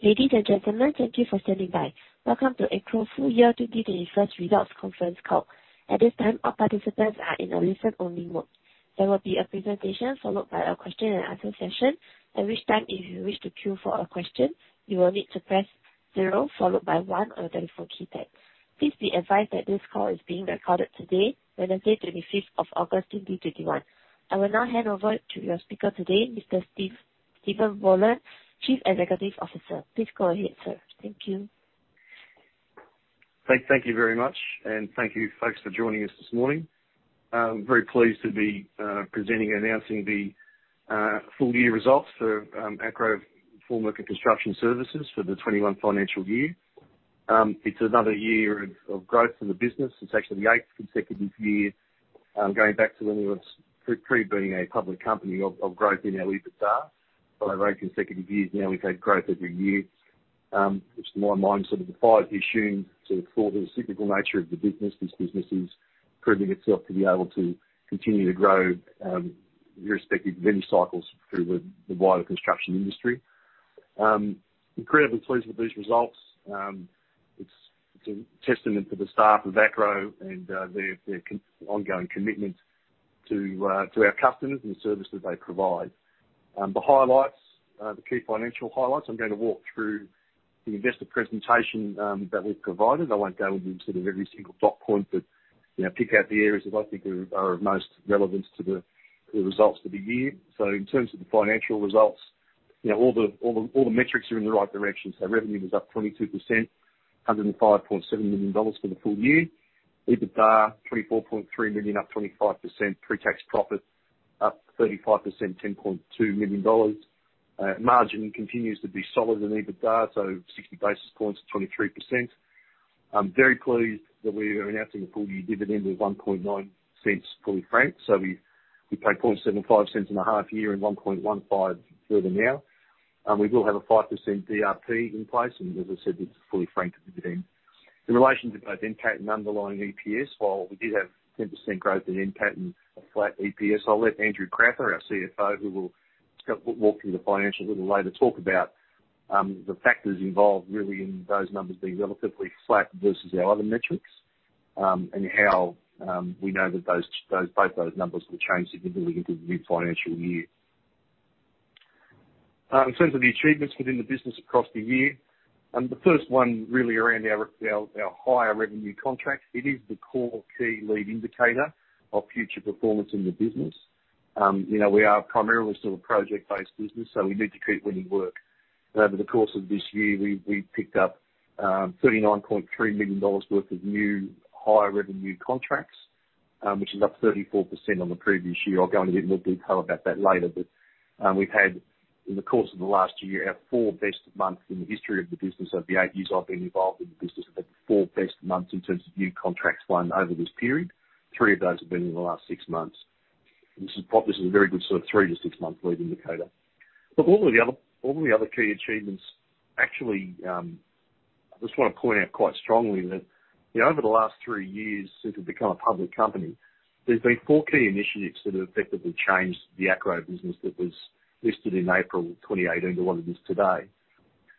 Please be advised that this call is being recorded today, Wednesday, 25th of August 2021. I will now hand over to your speaker today, Mr. Steven Boland, Chief Executive Officer. Please go ahead, sir. Thank you. Thank you very much, and thank you folks for joining us this morning. I'm very pleased to be presenting, announcing the full year results for Acrow Formwork and Construction Services for the FY 2021. It's another year of growth in the business. It's actually the 8th consecutive year, going back to when we were pre being a public company of growth in our EBITDA. Over eight consecutive years now, we've had growth every year, which to my mind sort of defies the assumed sort of cyclical nature of the business. This business is proving itself to be able to continue to grow irrespective of any cycles through the wider construction industry. Incredibly pleased with these results. It's a testament to the staff of Acrow and their ongoing commitment to our customers and the service that they provide. The key financial highlights, I'm going to walk through the investor presentation that we've provided. I won't go into every single dot point, but pick out the areas that I think are of most relevance to the results for the year. In terms of the financial results, all the metrics are in the right direction. Revenue was up 22%, 105.7 million dollars for the full year. EBITDA, 24.3 million, up 25%. Pre-tax profit, up 35%, 10.2 million dollars. Margin continues to be solid in EBITDA, 60 basis points to 23%. I'm very pleased that we are announcing a full-year dividend of 0.019 fully franked. We paid 0.0075 in the half year and 0.0115 further now. We will have a 5% DRP in place, and as I said, it's a fully franked dividend. In relation to both NPAT and underlying EPS, while we did have 10% growth in NPAT and a flat EPS, I'll let Andrew Crowther, our CFO, who will walk through the financials a little later, talk about the factors involved really in those numbers being relatively flat versus our other metrics. How we know that both those numbers will change significantly into the new financial year. In terms of the achievements within the business across the year, the first one really around our higher revenue contracts. It is the core key lead indicator of future performance in the business. We are primarily still a project-based business, so we need to keep winning work. Over the course of this year, we picked up 39.3 million dollars worth of new higher revenue contracts, which is up 34% on the previous year. I'll go into a bit more detail about that later. We've had, in the course of the last year, our four best months in the history of the business. Over the eight years I've been involved in the business, we've had the four best months in terms of new contracts won over this period. Three of those have been in the last six months. This is a very good sort of three-six month lead indicator. Look, all of the other key achievements, actually, I just want to point out quite strongly that over the last three years since we've become a public company, there's been four key initiatives that have effectively changed the Acrow business that was listed in April 2018 to what it is today.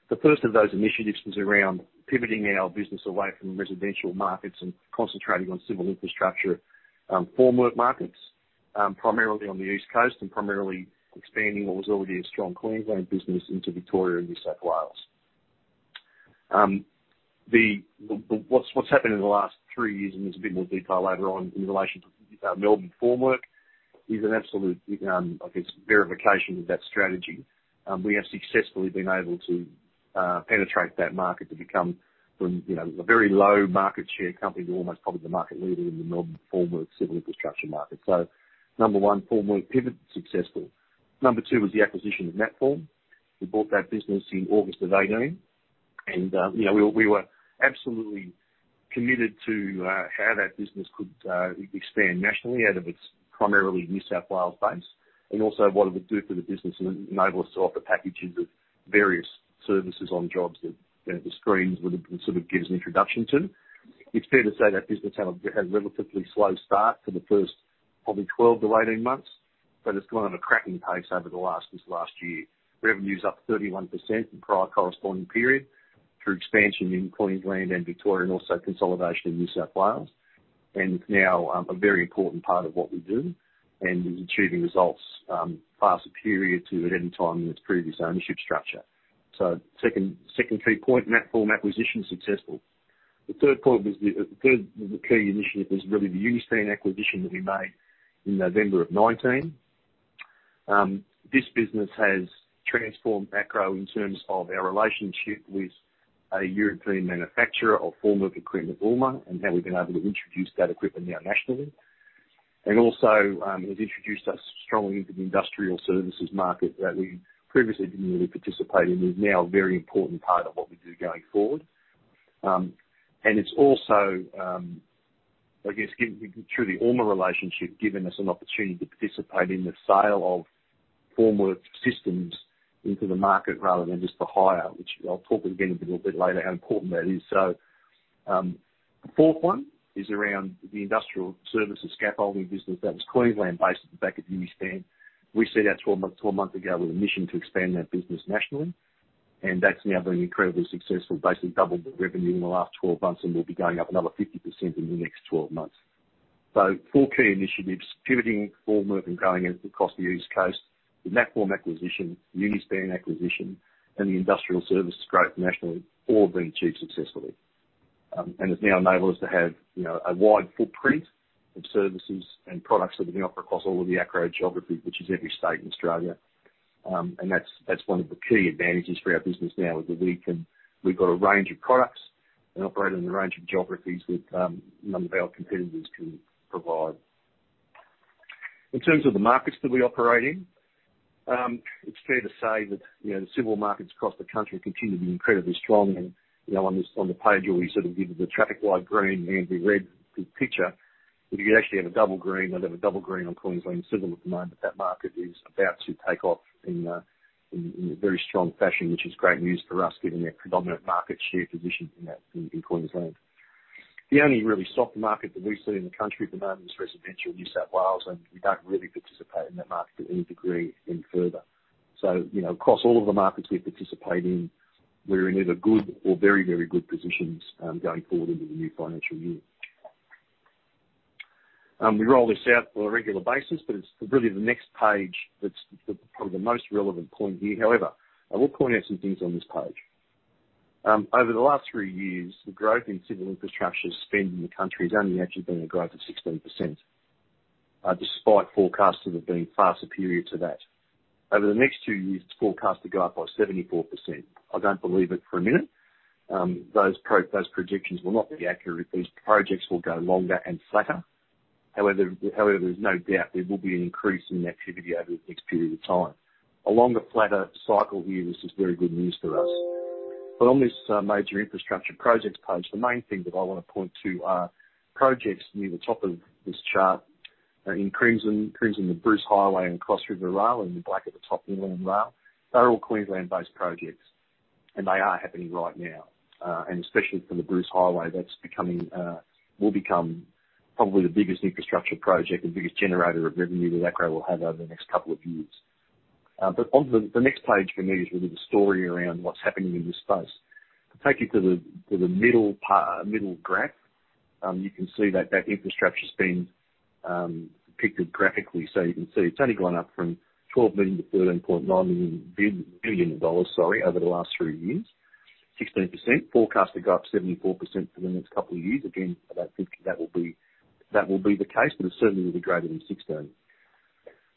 The first of those initiatives was around pivoting our business away from residential markets and concentrating on civil infrastructure formwork markets. Primarily on the East Coast and primarily expanding what was already a strong Queensland business into Victoria and New South Wales. What's happened in the last three years, and there's a bit more detail later on in relation to Melbourne formwork, is an absolute verification of that strategy. We have successfully been able to penetrate that market to become from a very low market share company to almost probably the market leader in the Melbourne formwork civil infrastructure market. Number one formwork pivot successful. Number two was the acquisition of Natform. We bought that business in August of 2018, we were absolutely committed to how that business could expand nationally out of its primarily New South Wales base, and also what it would do for the business and enable us to offer packages of various services on jobs that the screens would have sort of give us an introduction to. It's fair to say that business had a relatively slow start for the first probably 12-18 months, it's gone at a cracking pace over this last year. Revenue's up 31% in prior corresponding period through expansion in Queensland and Victoria, and also consolidation in New South Wales. It's now a very important part of what we do and is achieving results far superior to at any time in its previous ownership structure. Second key point, Natform acquisition successful. The third key initiative was really the Uni-span acquisition that we made in November of 2019. This business has transformed Acrow in terms of our relationship with a European manufacturer of formwork equipment, ULMA, and how we've been able to introduce that equipment now nationally. Also, it has introduced us strongly into the industrial services market that we previously didn't really participate in, is now a very important part of what we do going forward. It's also, I guess through the ULMA relationship, given us an opportunity to participate in the sale of formwork systems into the market rather than just the hire, which I'll talk again a little bit later how important that is. The fourth one is around the industrial services scaffolding business that was Queensland-based at the back of Uni-span. We set out 12 months ago with a mission to expand that business nationally. That's now been incredibly successful. Basically doubled the revenue in the last 12 months. We'll be going up another 50% in the next 12 months. Four key initiatives, pivoting formwork and going across the East Coast, the Natform acquisition, Uni-span acquisition, and the industrial services growth nationally all have been achieved successfully. It's now enabled us to have a wide footprint of services and products that we can offer across all of the Acrow geographies, which is every state in Australia. That's one of the key advantages for our business now, is that we've got a range of products and operate in a range of geographies that none of our competitors can provide. In terms of the markets that we operate in, it's fair to say that the civil markets across the country continue to be incredibly strong. On this page where we give the traffic light green, amber, red picture, you actually have a double green, well you have a double green on Queensland Civil at the moment. That market is about to take off in a very strong fashion, which is great news for us given our predominant market share position in Queensland. The only really soft market that we see in the country at the moment is residential New South Wales. We don't really participate in that market to any degree any further. Across all of the markets we participate in, we're in either good or very, very good positions going forward into the new financial year. We roll this out on a regular basis, but it's really the next page that's probably the most relevant point here. I will point out some things on this page. Over the last three years, the growth in civil infrastructure spend in the country has only actually been a growth of 16%, despite forecasts of it being far superior to that. Over the next two years, it's forecasted to go up by 74%. I don't believe it for a minute. Those projections will not be accurate. These projects will go longer and flatter. There's no doubt there will be an increase in activity over the next period of time. A longer, flatter cycle here is just very good news for us. On this major infrastructure projects page, the main thing that I want to point to are projects near the top of this chart in crimson, the Bruce Highway and Cross River Rail, in the black at the top, Inland Rail. They're all Queensland-based projects, and they are happening right now. Especially for the Bruce Highway, that will become probably the biggest infrastructure project and biggest generator of revenue that Acrow will have over the next couple of years. The next page for me is really the story around what's happening in this space. To take you to the middle graph, you can see that infrastructure spend depicted graphically. You can see it's only gone up from 12 million to 13.9 million dollars over the last three years, 16%, forecast to go up 74% for the next couple of years. I don't think that will be the case, but it certainly will be greater than 16.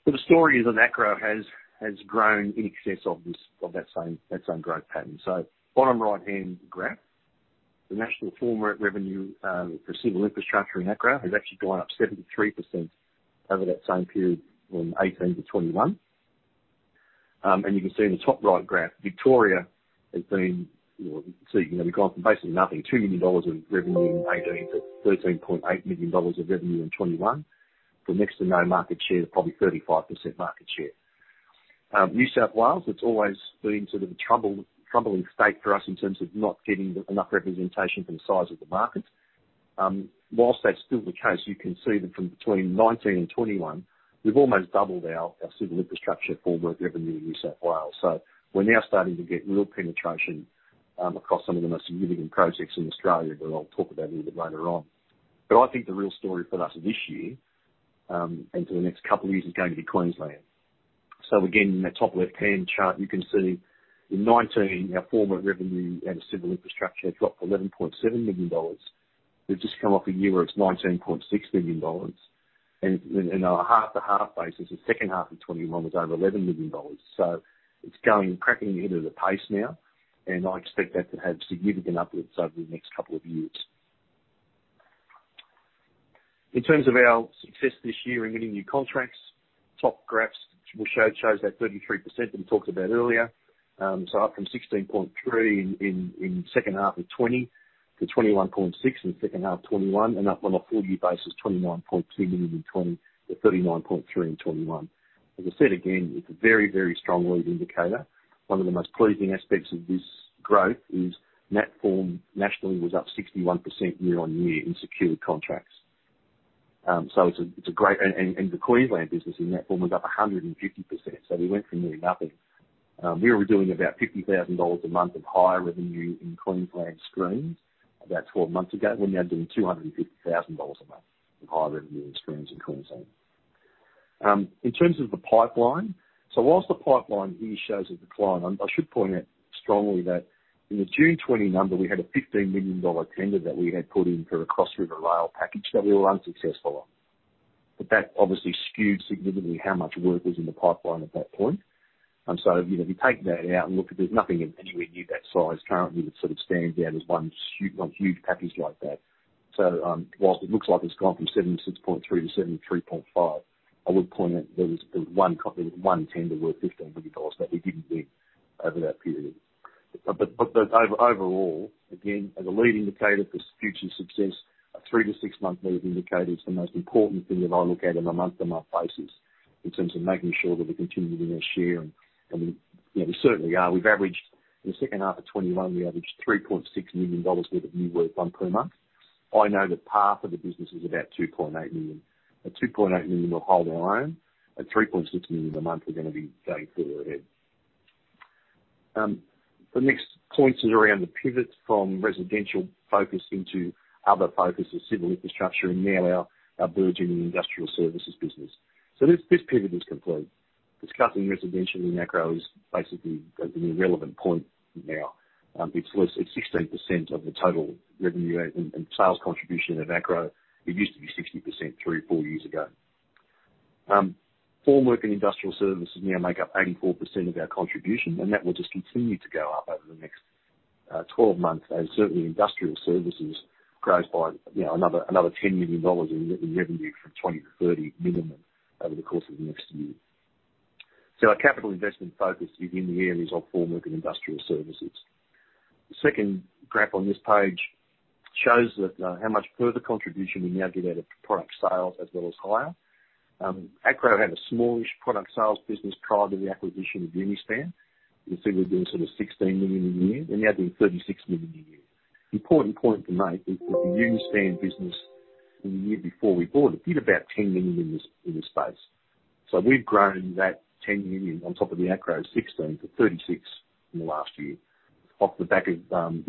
The story is that Acrow has grown in excess of that same growth pattern. Bottom right-hand graph, the national formwork revenue for civil infrastructure in Acrow has actually gone up 73% over that same period from 2018 to 2021. You can see in the top right graph, Victoria has gone from basically nothing, 2 million dollars of revenue in 2018 to 13.8 million dollars of revenue in 2021, from next to no market share to probably 35% market share. New South Wales, it's always been sort of a troubling state for us in terms of not getting enough representation for the size of the market. Whilst that's still the case, you can see that from between 2019 and 2021, we've almost doubled our civil infrastructure formwork revenue in New South Wales. We're now starting to get real penetration across some of the most significant projects in Australia that I'll talk about a little later on. I think the real story for us this year, and for the next couple of years, is going to be Queensland. Again, in that top left-hand chart, you can see in 2019, our formwork revenue out of civil infrastructure dropped to AUD 11.7 million. We've just come off a year where it's AUD 19.6 million. In a half-to-half basis, the second half of 2021 was over AUD 11 million. It's going cracking ahead at a pace now, and I expect that to have significant upwards over the next couple of years. In terms of our success this year in getting new contracts, top graphs shows that 33% that we talked about earlier. Up from 16.3 in second half of 2020 to 21.6 in the second half of 2021, and up on a full year basis, 29.2 million in 2020 to 39.3 in 2021. As I said again, it's a very, very strong lead indicator. One of the most pleasing aspects of this growth is Natform nationally was up 61% year-on-year in secured contracts. The Queensland business in Natform was up 150%, so we went from near nothing. We were doing about 50,000 dollars a month of hire revenue in Queensland screens about 12 months ago. We're now doing 250,000 dollars a month in hire revenue in screens in Queensland. In terms of the pipeline, while the pipeline here shows a decline, I should point out strongly that in the June 2020 number, we had a 15 million dollar tender that we had put in for a Cross River Rail package that we were unsuccessful on. That obviously skewed significantly how much work was in the pipeline at that point. If you take that out and look at it, there's nothing anywhere near that size currently that sort of stands out as one huge package like that. While it looks like it's gone from 76.3 to 73.5, I would point out there was one tender worth 15 million dollars that we didn't win over that period. Overall, again, as a lead indicator for future success. Three to six month lead indicator is the most important thing that I look at on a month-to-month basis in terms of making sure that we're continuing to share and we certainly are. In the second half of 2021, we averaged 3.6 million dollars worth of new work won per month. I know that half of the business is about 2.8 million. At 2.8 million, we'll hold our own. At 3.6 million a month, we're going to be going further ahead. The next point is around the pivot from residential focus into other focuses, civil infrastructure, and now our burgeoning industrial services business. This pivot is complete. Discussing residential in Acrow is basically an irrelevant point now. It's 16% of the total revenue and sales contribution of Acrow. It used to be 60% three-four years ago. Formwork and industrial services now make up 84% of our contribution, that will just continue to go up over the next 12 months as certainly industrial services grows by another 10 million dollars in revenue from 20 million to 30 million minimum over the course of the next year. Our capital investment focus is in the areas of formwork and industrial services. The second graph on this page shows how much further contribution we now get out of product sales as well as hire. Acrow had a smallish product sales business prior to the acquisition of Uni-span. You can see we're doing sort of 16 million a year and now doing 36 million a year. Important point to make is that the Uni-span business in the year before we bought it, did about 10 million in this space. We've grown that 10 million on top of the Acrow 16-36 in the last year off the back of,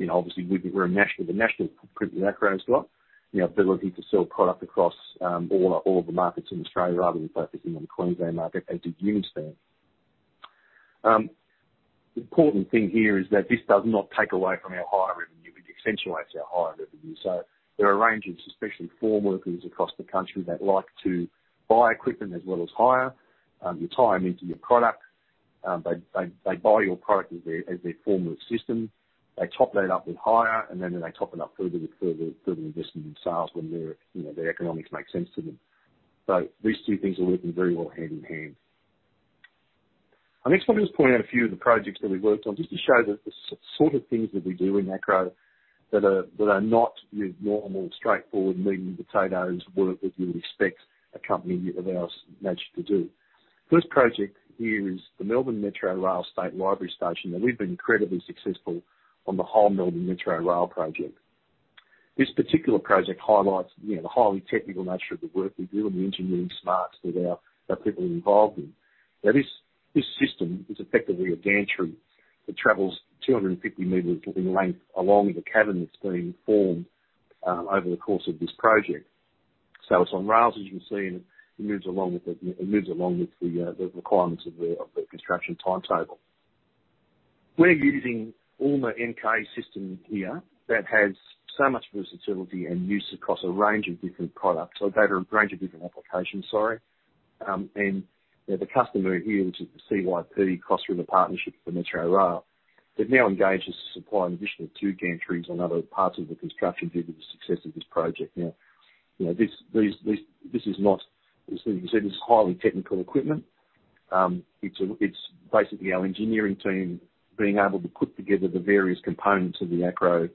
obviously we're a national, the national footprint that Acrow's got, the ability to sell product across all of the markets in Australia rather than focusing on the Queensland market as did Uni-span. Important thing here is that this does not take away from our hire revenue. It accentuates our hire revenue. There are a range of especially formworkers across the country that like to buy equipment as well as hire. You tie them into your product. They buy your product as their formwork system. They top that up with hire, and then they top it up further with further investment in sales when their economics make sense to them. These two things are working very well hand in hand. I next want to just point out a few of the projects that we've worked on just to show the sort of things that we do in Acrow that are not your normal, straightforward meat and potatoes work that you would expect a company of our nature to do. First project here is the Melbourne Metro Rail State Library Station, and we've been incredibly successful on the whole Melbourne Metro Rail project. This particular project highlights the highly technical nature of the work we do and the engineering smarts that our people are involved in. Now, this system is effectively a gantry that travels 250 meters in length along the cavern that's being formed over the course of this project. It's on rails, as you can see, and it moves along with the requirements of the construction timetable. We're using ULMA MK system here that has so much versatility and use over a range of different applications. The customer here, which is CYP, Cross Yarra Partnership for Metro Rail, they've now engaged us to supply an additional two gantries on other parts of the construction due to the success of this project. As you can see, this is highly technical equipment. It's basically our engineering team being able to put together the various components of the Acrow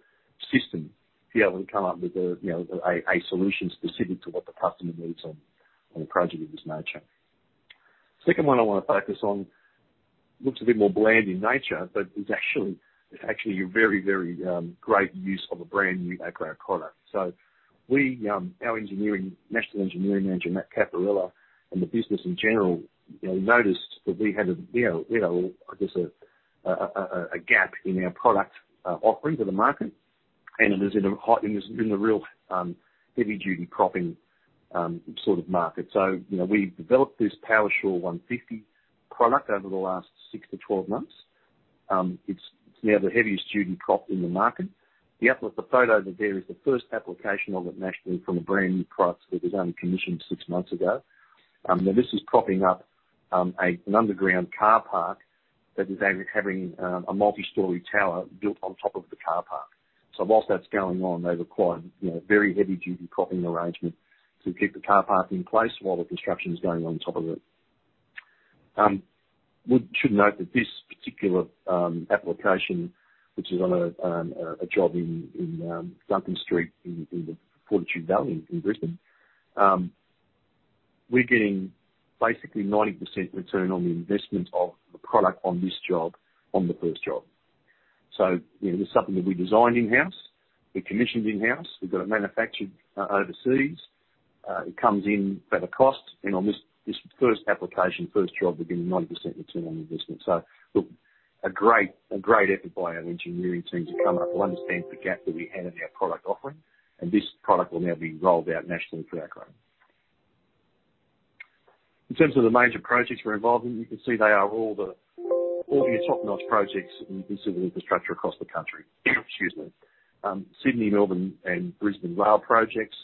system to be able to come up with a solution specific to what the customer needs on a project of this nature. Second one I want to focus on looks a bit more bland in nature, but is actually a very great use of a brand new Acrow product. Our National Engineering Manager, Matt Caporella, and the business in general, noticed that we had, I guess, a gap in our product offering to the market and it was in the real heavy-duty propping sort of market. We developed this Powershore 150 product over the last 6-12 months. It's now the heaviest duty prop in the market. The photo there is the first application of it nationally from a brand-new product that was only commissioned six months ago. This is propping up an underground car park that is having a multi-story tower built on top of the car park. Whilst that's going on, they require very heavy-duty propping arrangement to keep the car park in place while the construction is going on top of it. We should note that this particular application, which is on a job in Duncan Street in the Fortitude Valley in Brisbane, we're getting basically 90% return on the investment of the product on this job, on the first job. This is something that we designed in-house. We commissioned in-house. We got it manufactured overseas. It comes in at a cost. On this first application, first job, we're getting 90% return on investment. Look, a great effort by our engineering team to come up, understand the gap that we had in our product offering, and this product will now be rolled out nationally through Acrow. In terms of the major projects we're involved in, you can see they are all the top-notch projects in civil infrastructure across the country. Excuse me. Sydney, Melbourne, and Brisbane rail projects.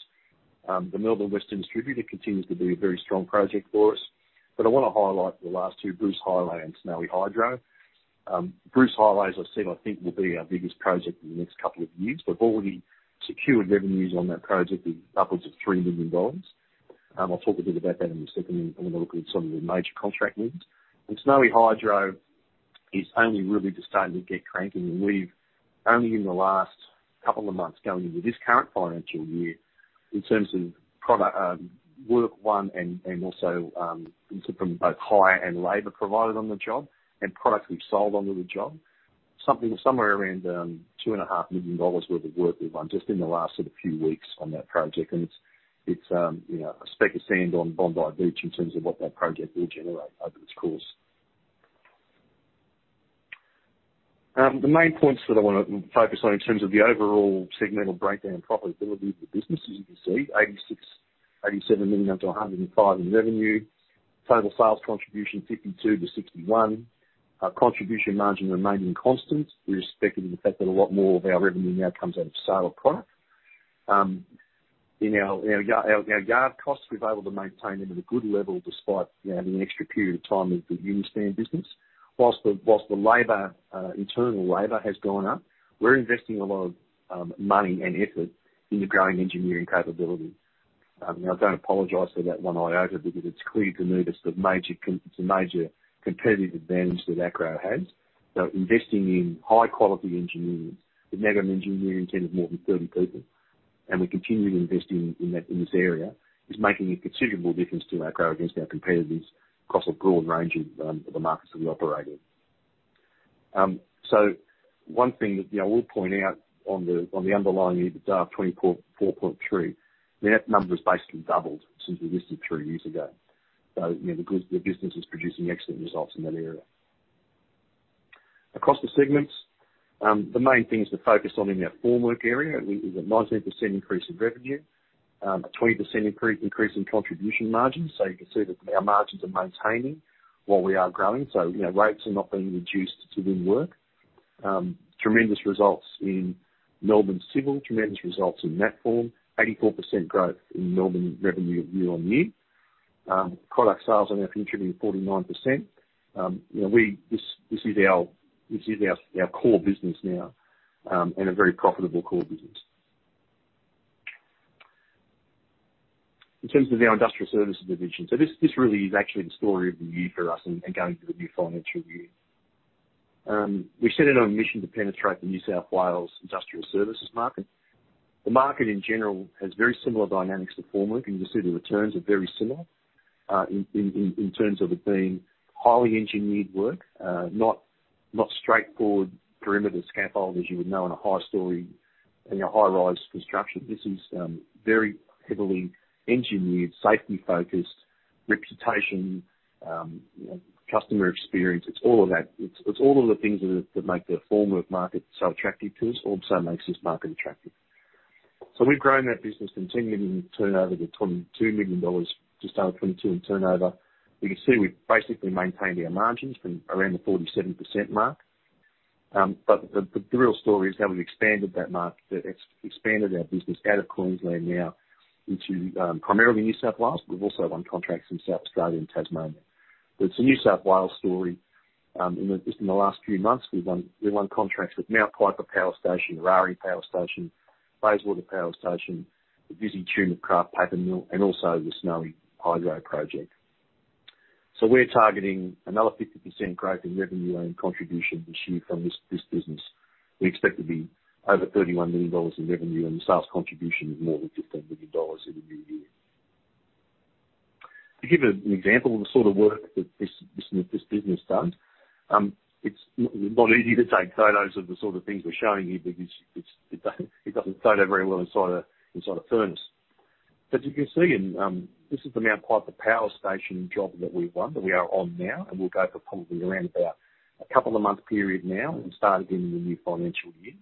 The Melbourne Western Distributor continues to be a very strong project for us, but I want to highlight the last two, Bruce Highway and Snowy Hydro. Bruce Highway, as I said, I think will be our biggest project in the next couple of years. We've already secured revenues on that project of upwards of 3 million dollars. I'll talk a bit about that in a second when we look at some of the major contract wins. Snowy Hydro is only really just starting to get cranking, and we've only in the last couple of months going into this current financial year, in terms of work won and also from both hire and labor provided on the job and products we've sold onto the job, something somewhere around 2.5 million dollars worth of work we've won just in the last few weeks on that project. It's a speck of sand on Bondi Beach in terms of what that project will generate over its course. The main points that I want to focus on in terms of the overall segmental breakdown and profitability of the business, as you can see, 86 million, 87 million up to 105 in revenue. Total sales contribution, 52-61. Our contribution margin remaining constant with respect to the fact that a lot more of our revenue now comes out of sale of product. Our yard costs, we've able to maintain them at a good level despite the extra period of time with the Uni-span business. Whilst the internal labor has gone up, we're investing a lot of money and effort into growing engineering capability. I don't apologize for that one iota because it's clear to me it's a major competitive advantage that Acrow has. Investing in high-quality engineering, we now got an engineering team of more than 30 people, and we're continuing to invest in this area, is making a considerable difference to Acrow against our competitors across a broad range of the markets that we operate in. One thing that I will point out on the underlying EBITDA of 24.3, that number has basically doubled since we listed three years ago. The business is producing excellent results in that area. Across the segments, the main things to focus on in our formwork area is a 19% increase in revenue, a 20% increase in contribution margins. You can see that our margins are maintaining while we are growing. Rates are not being reduced to win work. Tremendous results in Melbourne Civil, tremendous results in Natform, 84% growth in Melbourne revenue year-on-year. Product sales on our contribution, 49%. This is our core business now, a very profitable core business. In terms of our industrial services division, this really is actually the story of the year for us and going into the new financial year. We set it on a mission to penetrate the New South Wales industrial services market. The market, in general, has very similar dynamics to formwork. You can just see the returns are very similar, in terms of it being highly engineered work, not straightforward perimeter scaffold as you would know in a high-rise construction. This is very heavily engineered, safety-focused, reputation, customer experience. It's all of that. It's all of the things that make the formwork market so attractive to us also makes this market attractive. We've grown that business from 10 million turnover to 22 million dollars, just under 22 million in turnover. You can see we've basically maintained our margins from around the 47% mark. The real story is how we've expanded our business out of Queensland now into primarily New South Wales. We've also won contracts in South Australia and Tasmania. It's a New South Wales story. Just in the last few months, we won contracts with Mount Piper Power Station, Eraring Power Station, Bayswater Power Station, the Visy Tumut Kraft Paper Mill, and also the Snowy Hydro Project. We're targeting another 50% growth in revenue and contribution this year from this business. We expect to be over 31 million dollars in revenue, and the sales contribution is more than 1,500 dollars in the new year. To give you an example of the sort of work that this business does, it's not easy to take photos of the sort of things we're showing you because it doesn't photo very well inside a furnace. You can see, this is the Mount Piper Power Station job that we've won, that we are on now, and will go for probably around about a couple of month period now. We've started in the new financial year.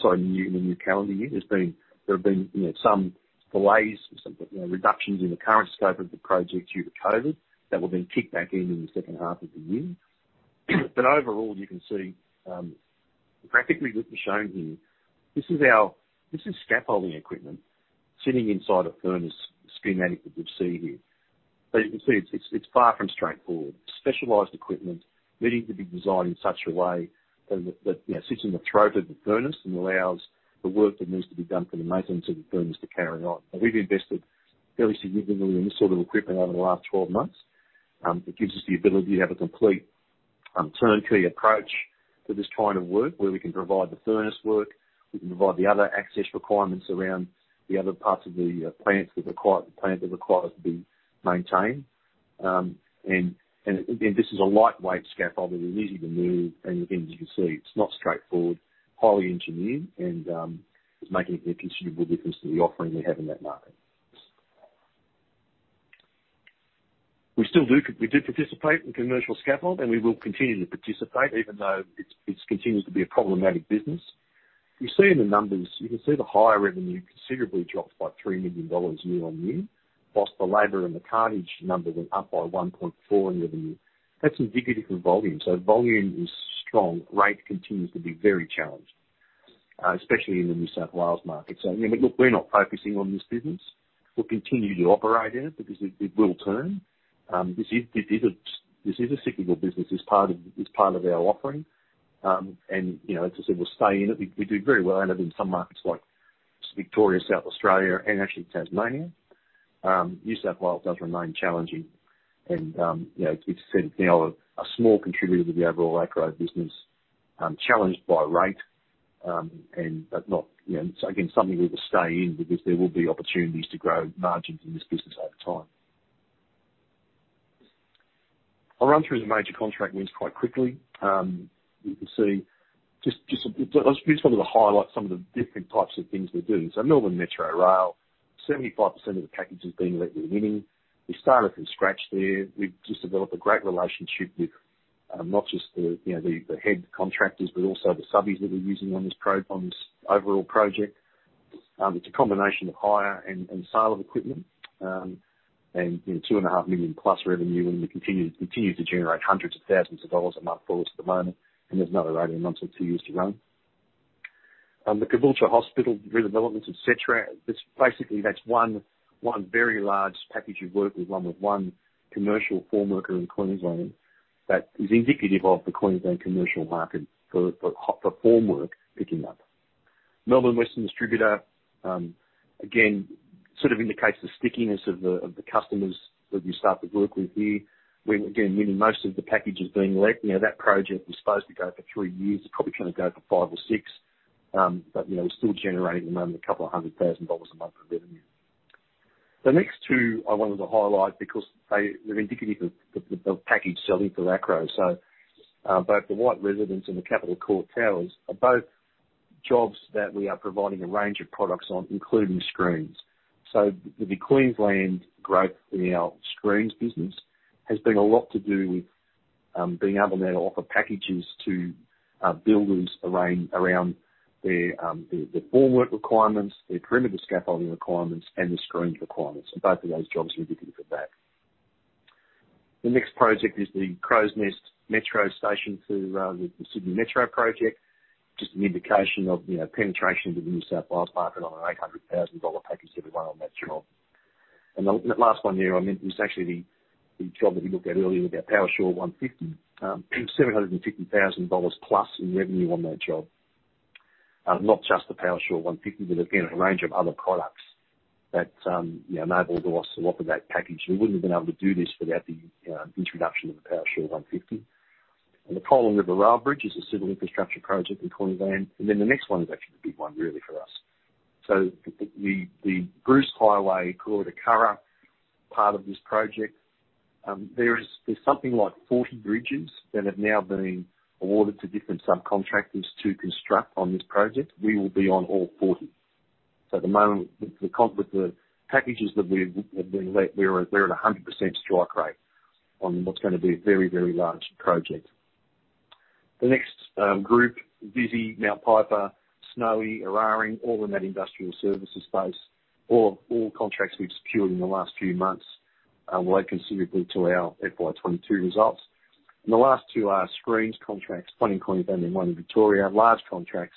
Sorry, the new calendar year. There have been some delays, some reductions in the current scope of the project due to COVID that will then kick back in in the second half of the year. Overall, you can see, the graphic we've shown here, this is scaffolding equipment sitting inside a furnace schematic that you see here. You can see it's far from straightforward. Specialized equipment needing to be designed in such a way that sits in the throat of the furnace and allows the work that needs to be done for the maintenance of the furnace to carry on. We've invested fairly significantly in this sort of equipment over the last 12 months. It gives us the ability to have a complete turnkey approach to this kind of work, where we can provide the furnace work, we can provide the other access requirements around the other parts of the plant that require to be maintained. Again, this is a lightweight scaffold that is easy to move, and again, as you can see, it's not straightforward, highly engineered, and it's making a considerable difference to the offering we have in that market. We do participate in commercial scaffold, and we will continue to participate even though it continues to be a problematic business. You see in the numbers, you can see the higher revenue considerably dropped by 3 million dollars year-on-year, whilst the labor and the cartage number went up by 1.4 in revenue. That's in significant volume. Volume is strong. Rate continues to be very challenged, especially in the New South Wales market. Look, we're not focusing on this business. We'll continue to operate in it because it will turn. This is a significant business. It's part of our offering. Like I said, we'll stay in it. We do very well out of in some markets like Victoria, South Australia, and actually Tasmania. New South Wales does remain challenging and it's now a small contributor to the overall Acrow business, challenged by rate, but again, something we will stay in because there will be opportunities to grow margins in this business over time. I'll run through the major contract wins quite quickly. We can see, I just wanted to highlight some of the different types of things we do. Melbourne Metro Rail, 75% of the package is being let with winning. We started from scratch there. We've just developed a great relationship with not just the head contractors, but also the subbies that we're using on this overall project. It's a combination of hire and sale of equipment. 2.5 million plus revenue, and we continue to generate hundreds of thousands of AUD a month for us at the moment, and there's another 18 months or two years to run. The Caboolture Hospital Redevelopment, et cetera, basically, that's one very large package of work with one commercial formworker in Queensland that is indicative of the Queensland commercial market for formwork picking up. Melbourne Western Distributor, again, sort of indicates the stickiness of the customers that we started work with here. Again, winning most of the packages being let, that project was supposed to go for three years. It's probably going to go for five or six. We're still generating around a couple of 100,000 dollars a month of revenue. The next two I wanted to highlight because they're indicative of package selling for Acrow. Both the White Residence and The Capital Court Towers are both jobs that we are providing a range of products on, including screens. The Queensland growth in our screens business has been a lot to do with being able now to offer packages to builders around their formwork requirements, their perimeter scaffolding requirements, and the screens requirements, and both of those jobs are indicative of that. The next project is the Crows Nest Metro Station for the Sydney Metro project. Just an indication of penetration into the New South Wales market on an AUD 800,000 package that we won on that job. That last one there, I meant, is actually the job that we looked at earlier with our Powershore 150, 750,000-plus dollars in revenue on that job. Not just the Powershore 150, but again, a range of other products that enabled us to offer that package. We wouldn't have been able to do this without the introduction of the Powershore 150. The Kolan River Rail Bridge is a civil infrastructure project in Queensland. The next one is actually the big one really for us. The Bruce Highway, Cooroy to Curra part of this project, there's something like 40 bridges that have now been awarded to different subcontractors to construct on this project. We will be on all 40. At the moment, with the packages that we've let, we are at 100% strike rate on what's going to be a very, very large project. The next group, Visy, Mount Piper, Snowy Hydro, Eraring, all in that industrial services space. All contracts we've secured in the last few months, weigh considerably to our FY 2022 results. The last two are screens contracts, one in Queensland and one in Victoria. Large contracts,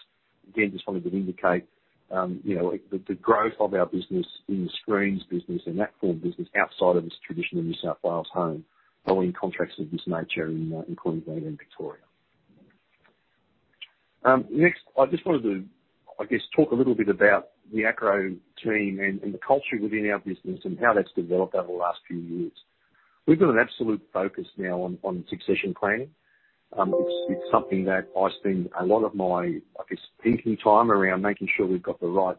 again, just wanted to indicate the growth of our business in the screens business and that form of business outside of its traditional New South Wales home, winning contracts of this nature in Queensland and Victoria. Next, I just wanted to, I guess, talk a little bit about the Acrow team and the culture within our business and how that's developed over the last few years. We've got an absolute focus now on succession planning. It's something that I spend a lot of my, I guess, thinking time around making sure we've got the right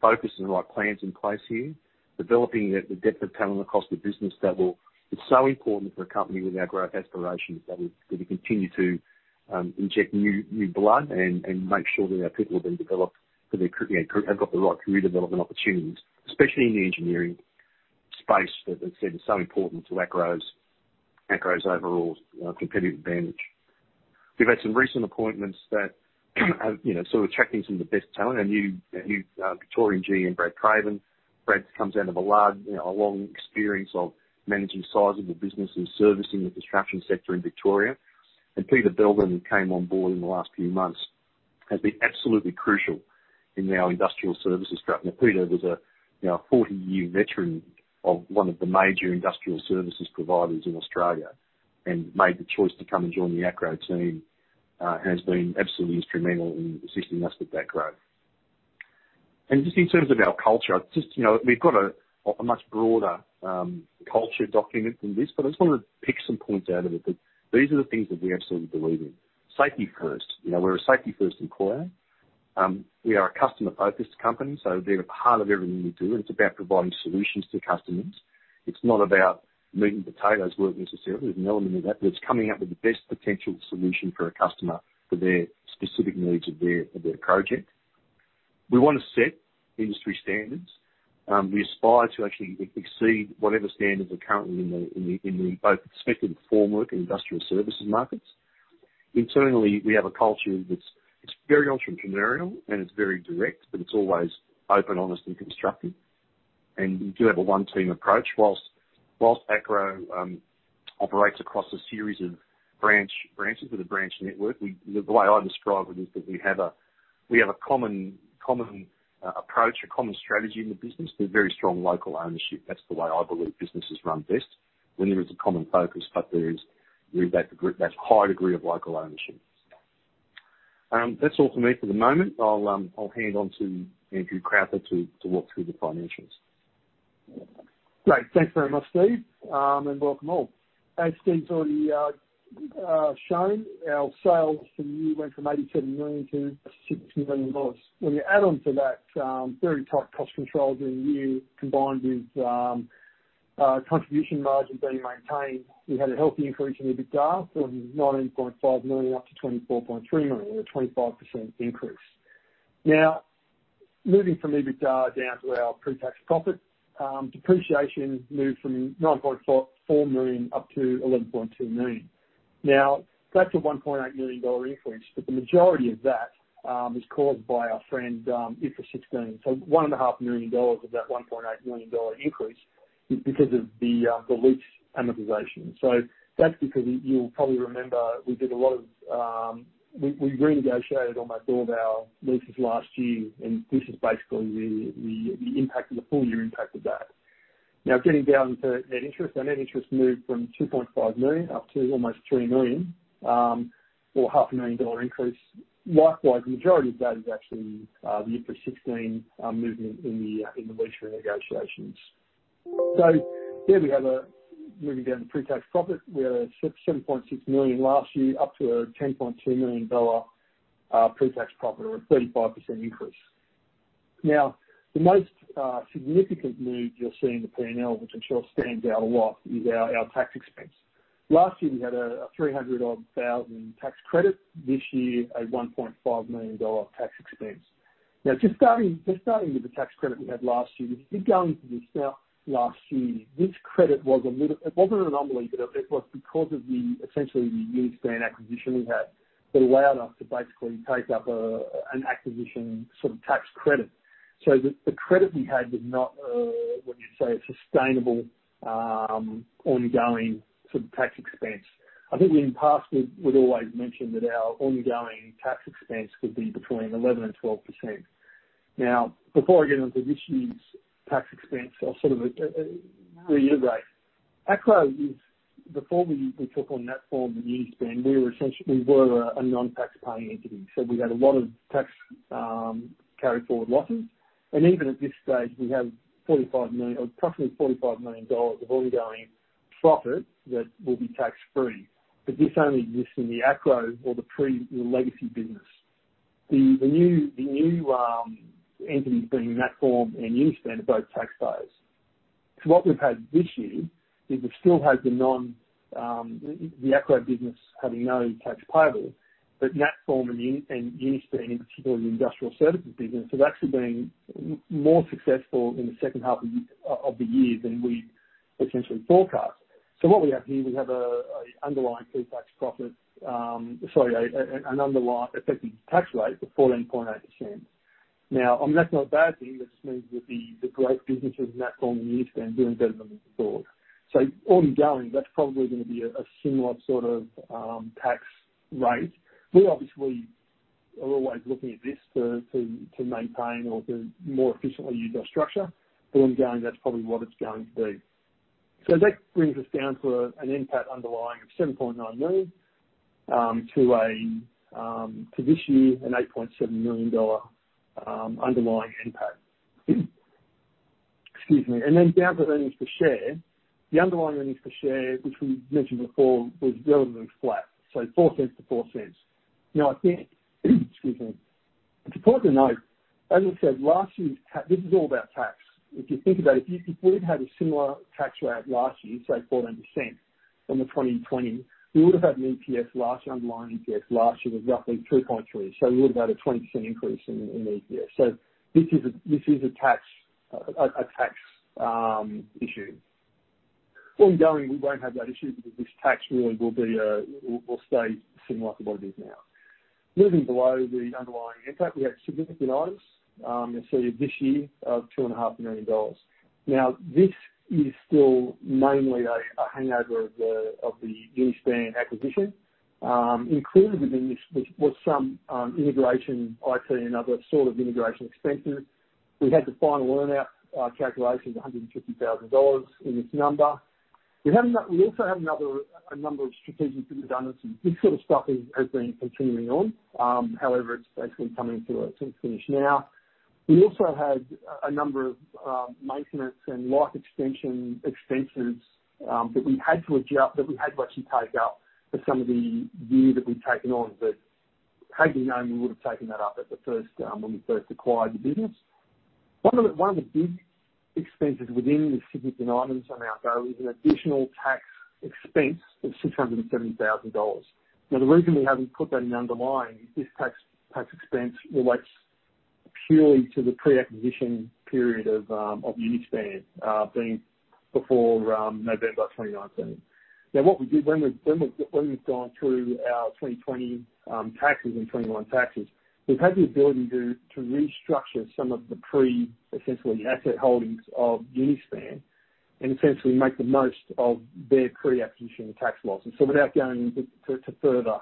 focus and the right plans in place here, developing the depth of talent across the business level. It's so important for a company with our growth aspirations that we continue to inject new blood and make sure that our people have been developed and have got the right career development opportunities, especially in the engineering space that I said is so important to Acrow's overall competitive advantage. We've had some recent appointments that have sort of attracted some of the best talent. Our new Victorian GM, Brad Craven. Brad comes out of a long experience of managing sizable businesses servicing the construction sector in Victoria. Peter Beldon, who came on board in the last few months, has been absolutely crucial in our industrial services strategy. Peter was a 40-year veteran of one of the major industrial services providers in Australia and made the choice to come and join the Acrow team, has been absolutely instrumental in assisting us with that growth. Just in terms of our culture, we've got a much broader culture document than this, but I just want to pick some points out of it that these are the things that we absolutely believe in. Safety first. We're a safety-first employer. We are a customer-focused company, so they're a part of everything we do, and it's about providing solutions to customers. It's not about meat and potatoes work necessarily. There's an element of that, but it's coming up with the best potential solution for a customer for their specific needs of their project. We want to set industry standards. We aspire to actually exceed whatever standards are currently in both the specified formwork and industrial services markets. Internally, we have a culture that's very entrepreneurial and it's very direct, but it's always open, honest, and constructive. We do have a one-team approach. Whilst Acrow operates across a series of branches with a branch network, the way I describe it is that we have a common approach, a common strategy in the business with very strong local ownership. That's the way I believe business is run best when there is a common focus, With that high degree of local ownership. That's all from me for the moment. I'll hand on to Andrew Crowther to walk through the financials. Great. Thanks very much, Steve, and welcome all. As Steve's already shown, our sales for the year went from 87 million dollars to 62 million dollars. You add on to that very tight cost controls during the year combined with contribution margin being maintained, we had a healthy increase in EBITDA from 19.5 million up to 24.3 million, a 25% increase. Moving from EBITDA down to our pre-tax profit, depreciation moved from 9.4 million up to 11.2 million. That's a 1.8 million dollar increase, but the majority of that is caused by our friend, IFRS 16. One and a half million AUD of that 1.8 million dollar increase is because of the lease amortization. That's because you'll probably remember we renegotiated almost all of our leases last year, and this is basically the full year impact of that. Getting down to net interest. Our net interest moved from 2.5 million up to almost 3 million, or a half a million AUD increase. The majority of that is actually the IFRS 16 movement in the lease renegotiations. There we have it, moving down to pre-tax profit. We are at 7.6 million last year, up to a 10.2 million dollar pre-tax profit, or a 35% increase. The most significant move you'll see in the P&L, which I'm sure stands out a lot, is our tax expense. Last year, we had a 300,000 odd tax credit. This year, a 1.5 million dollar tax expense. Just starting with the tax credit we had last year, if you did go into this last year, this credit, it wasn't an anomaly, but it was because of essentially the Uni-span acquisition we had that allowed us to basically take up an acquisition tax credit. The credit we had was not, what you'd say, a sustainable ongoing tax expense. I think in the past, we'd always mentioned that our ongoing tax expense would be between 11% and 12%. Before I get into this year's tax expense, I'll reiterate. Acrow, before we took on Natform and Uni-span, we were a non-tax paying entity. We had a lot of tax carry forward losses, and even at this stage, we have approximately AUD 45 million of ongoing profit that will be tax-free. This only exists in the Acrow or the legacy business. The new entities being Natform and Uni-span are both taxpayers. What we've had this year is we still have the Acrow business having no tax payable, but Natform and Uni-span, in particular, the industrial services business, have actually been more successful in the second half of the year than we essentially forecast. What we have here is we have an underlying effective tax rate of 14.8%. That's not a bad thing. That just means that the great businesses, Natform and Uni-span, are doing better than we thought. Ongoing, that's probably going to be a similar sort of tax rate. We obviously are always looking at this to maintain or to more efficiently use our structure. Ongoing, that's probably what it's going to be. That brings us down to an NPAT underlying of 7.9 million to this year, an 8.7 million dollar underlying NPAT. Excuse me. Down to earnings per share. The underlying earnings per share, which we mentioned before, was relatively flat. 0.04 to 0.04. I think, excuse me. It's important to note, as I said, this is all about tax. If you think about it, if we'd had a similar tax rate last year, say 14%, from the 2020, we would have had an EPS last year, underlying EPS last year was roughly 2.3, we would have had a 20% increase in the EPS. This is a tax issue. Ongoing, we won't have that issue because this tax really will stay similar to what it is now. Moving below the underlying NPAT, we have significant items, you see this year of 2.5 million dollars. This is still mainly a hangover of the Uni-span acquisition. Included within this was some integration, IT, and other integration expenses. We had the final earn-out calculations of 150,000 dollars in this number. We also have a number of strategic redundancies. This sort of stuff has been continuing on. It's basically coming to a finish now. We also had a number of maintenance and life extension expenses that we had to actually take up for some of the year that we've taken on, that had we known, we would have taken that up when we first acquired the business. One of the big expenses within the significant items on our go is an additional tax expense of 670,000 dollars. The reason we haven't put that in the underlying is this tax expense relates purely to the pre-acquisition period of Uni-span, being before November 2019. What we did when we've gone through our 2020 taxes and 2021 taxes, we've had the ability to restructure some of the pre-essentially asset holdings of Uni-span and essentially make the most of their pre-acquisition tax losses. Without going into further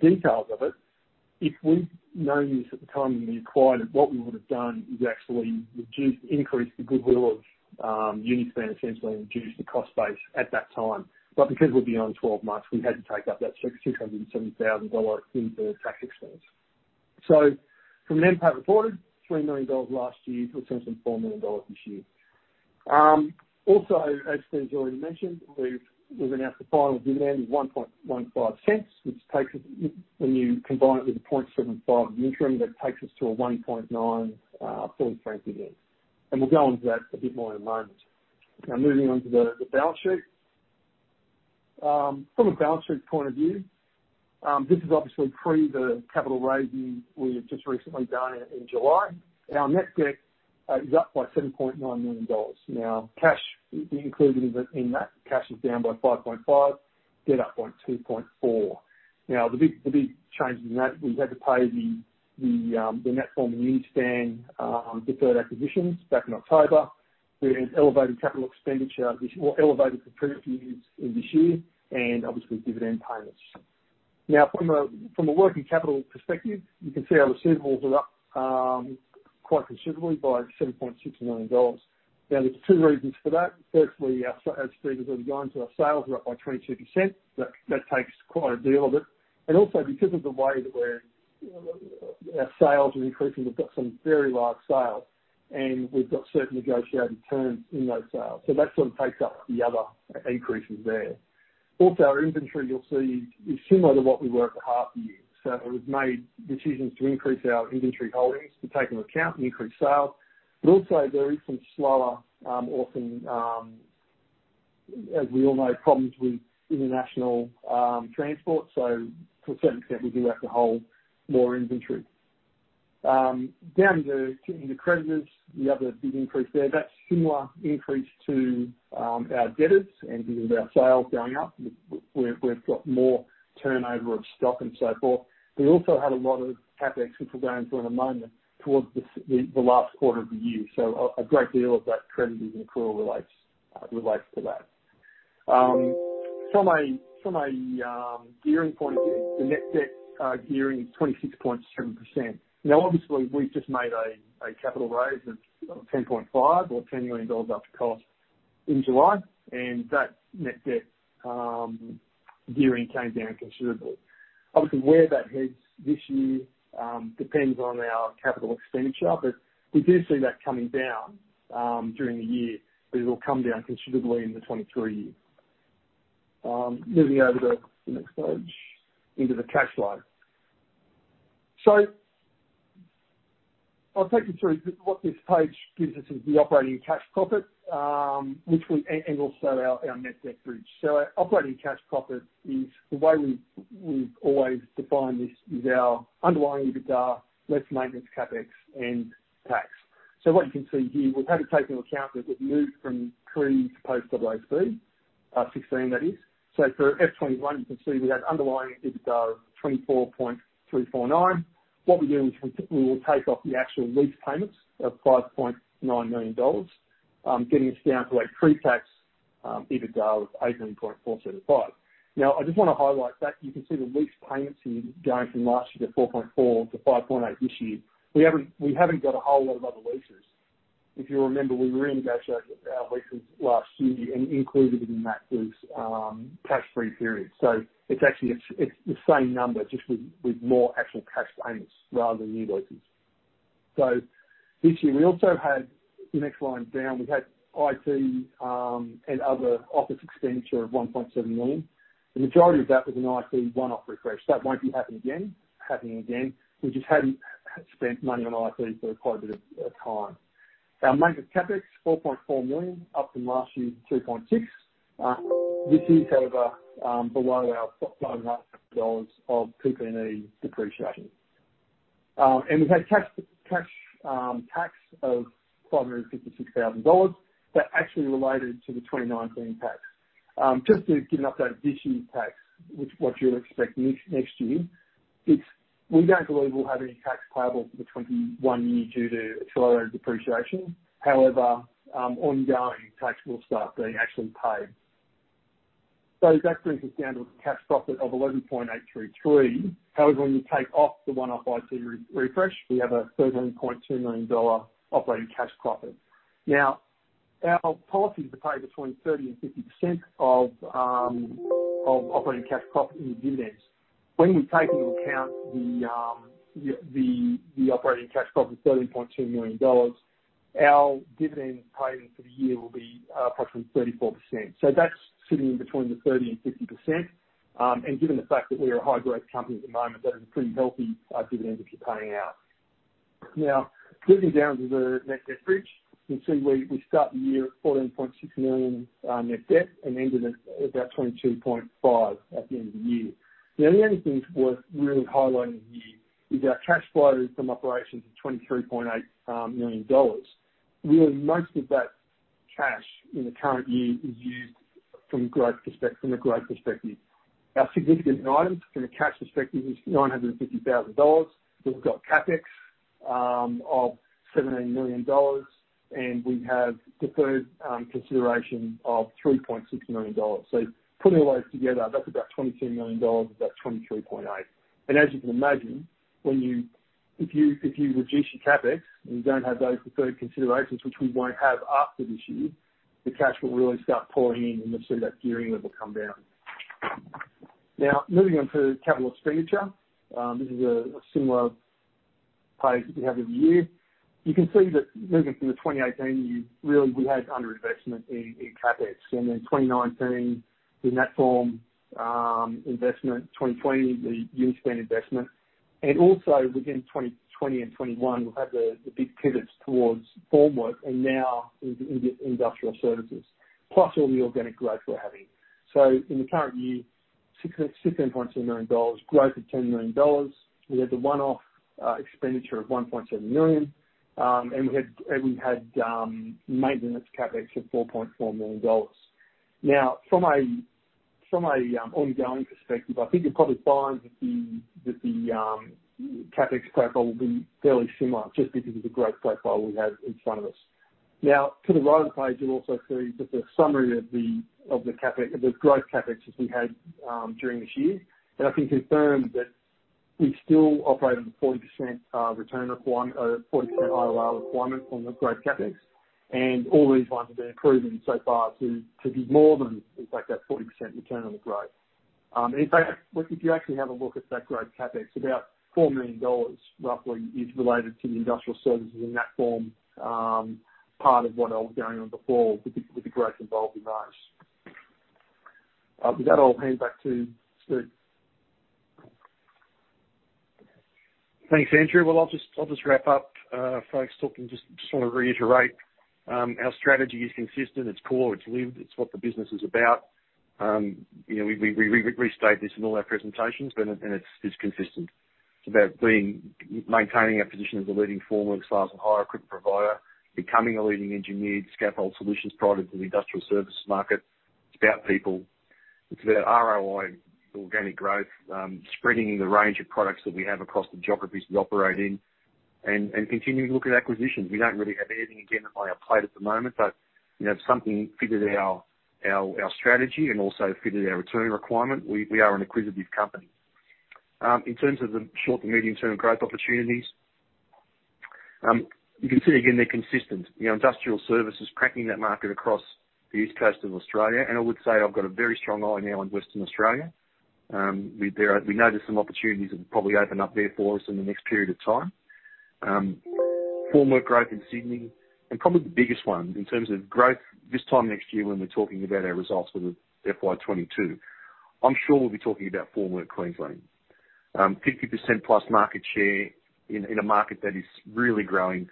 details of it. If we'd known this at the time we acquired it, what we would have done is actually increase the goodwill of Uni-span, essentially reduce the cost base at that time. Because we're beyond 12 months, we had to take up that 670,000 dollars in the tax expense. From an NPAT reported, 3 million dollars last year to approximately 4 million dollars this year. As Steven's already mentioned, we've announced the final dividend of 0.0115, which, when you combine it with the 0.0075 interim, that takes us to a AUD 0.019 full frankly there. We'll go into that a bit more in a moment. Moving on to the balance sheet. From a balance sheet point of view, this is obviously pre the capital raising we have just recently done in July. Our net debt is up by 7.9 million dollars. Cash included in that, cash is down by 5.5 million, debt up by 2.4 million. The big change in that, we've had to pay the Natform Uni-span deferred acquisitions back in October. There is elevated CapEx, or elevated for three or four years in this year, and obviously dividend payments. From a working capital perspective, you can see our receivables are up quite considerably by 7.6 million dollars. There's two reasons for that. Firstly, as Steve has already gone to, our sales are up by 22%. That takes quite a deal of it. Also because of the way that our sales are increasing, we've got some very large sales and we've got certain negotiated terms in those sales. That's what takes up the other increases there. Also our inventory, you'll see, is similar to what we were at the half year. We've made decisions to increase our inventory holdings to take into account the increased sales. Also there is some slower or some, as we all know, problems with international transport. To a certain extent, we do have to hold more inventory. Down to creditors, the other big increase there, that's similar increase to our debtors and because of our sales going up, we've got more turnover of stock and so forth. We also had a lot of CapEx, which we'll go into in a moment, towards the last quarter of the year. A great deal of that creditors accrual relates to that. From a gearing point of view, the net debt gearing is 26.7%. Obviously we've just made a capital raise of 10.5 or 10 million dollars after cost in July, that net debt gearing came down considerably. Obviously, where that heads this year depends on our capital expenditure, we do see that coming down during the year, it will come down considerably in the 2023 year. Moving over to the next page into the cash flow. I'll take you through what this page gives us is the operating cash profit and also our net debt bridge. Operating cash profit is the way we've always defined this, is our underlying EBITDA, less maintenance CapEx and tax. What you can see here, we've had to take into account that we've moved from pre to post AASB 16 that is. For FY 2021, you can see we have underlying EBITDA of 24.349. What we do is we will take off the actual lease payments of 5.9 million dollars, getting us down to a pre-tax EBITDA of 18.435. I just want to highlight that you can see the lease payments here going from last year to 4.4-5.8 this year. We haven't got a whole lot of other leases. If you remember, we renegotiated our leases last year and included in that was cash free periods. It's the same number just with more actual cash payments rather than new leases. This year, we also had the next line down. We've had IT and other office expenditure of 1.7 million. The majority of that was an IT one-off refresh. That won't be happening again. We just hadn't spent money on IT for quite a bit of time. Our maintenance CapEx, 4.4 million up from last year, 2.6. This is however below our PP&E depreciation. We've had cash tax of 556,000 dollars. That actually related to the 2019 tax. Just to give an update, this year's tax, which what you're expecting next year, we don't believe we'll have any tax payable for the 2021 year due to depreciation. However, ongoing tax will start being actually paid. That brings us down to a cash profit of 11.833. However, when you take off the one-off IT refresh, we have a 13.2 million dollar operating cash profit. Our policy is to pay between 30% and 50% of operating cash profit in dividends. When we take into account the operating cash profit, AUD 13.2 million, our dividend payment for the year will be approximately 34%. That's sitting between the 30% and 50%. Given the fact that we are a high growth company at the moment, that is a pretty healthy dividend that you're paying out. Moving down to the net debt bridge, you can see we start the year at 14.6 million net debt and ended at about 22.5 million at the end of the year. The only thing worth really highlighting here is our cash flows from operations of 23.8 million dollars. Really most of that cash in the current year is used from a growth perspective. Our significant items from a cash perspective is 950,000 dollars. We've got CapEx of 17 million dollars, we have deferred consideration of 3.6 million dollars. Putting all those together, that's about 22 million dollars, about 23.8. As you can imagine, if you reduce your CapEx and you don't have those deferred considerations, which we won't have after this year, the cash will really start pouring in and you'll see that gearing level come down. Moving on to capital expenditure. This is a similar page that we have every year. You can see that moving from the 2018 year, really we had underinvestment in CapEx. 2019, the Natform investment, 2020, the Uni-span investment. Also within 2020 and 2021, we'll have the big pivots towards Formwork and now into Industrial Services, plus all the organic growth we're having. In the current year, 16.2 million dollars, growth of 10 million dollars. We had the one-off expenditure of 1.7 million, and we had maintenance CapEx of 4.4 million dollars. From an ongoing perspective, I think you'll probably find that the CapEx profile will be fairly similar just because of the growth profile we have in front of us. To the right of the page, you'll also see just a summary of the growth CapEx that we had during this year. I can confirm that we still operate on the 40% ROI requirement on the growth CapEx, and all these ones have been improving so far to be more than in fact that 40% return on the growth. In fact, if you actually have a look at that growth CapEx, about 4 million dollars roughly is related to the Industrial Services and Natform, part of what I was going on before with the growth involved in those. With that, I'll hand back to Steven. Thanks, Andrew. I'll just wrap up, folks. Just want to reiterate, our strategy is consistent. It's core, it's lived. It's what the business is about. We restate this in all our presentations, and it's consistent. It's about maintaining our position as a leading formwork, scaffolding, and hire equipment provider, becoming a leading engineered scaffold solutions provider to the Industrial Services market. It's about people. It's about ROI, organic growth, spreading the range of products that we have across the geographies we operate in and continuing to look at acquisitions. We don't really have anything again on our plate at the moment, but if something fitted our strategy and also fitted our return requirement, we are an acquisitive company. In terms of the short to medium-term growth opportunities, you can see again, they're consistent. Industrial Services, cracking that market across the east coast of Australia. I would say I've got a very strong eye now on Western Australia. We know there's some opportunities that will probably open up there for us in the next period of time. Formwork growth in Sydney and probably the biggest one in terms of growth this time next year when we're talking about our results for the FY 2022, I'm sure we'll be talking about Formwork Queensland. 50%+ market share in a market that is really growing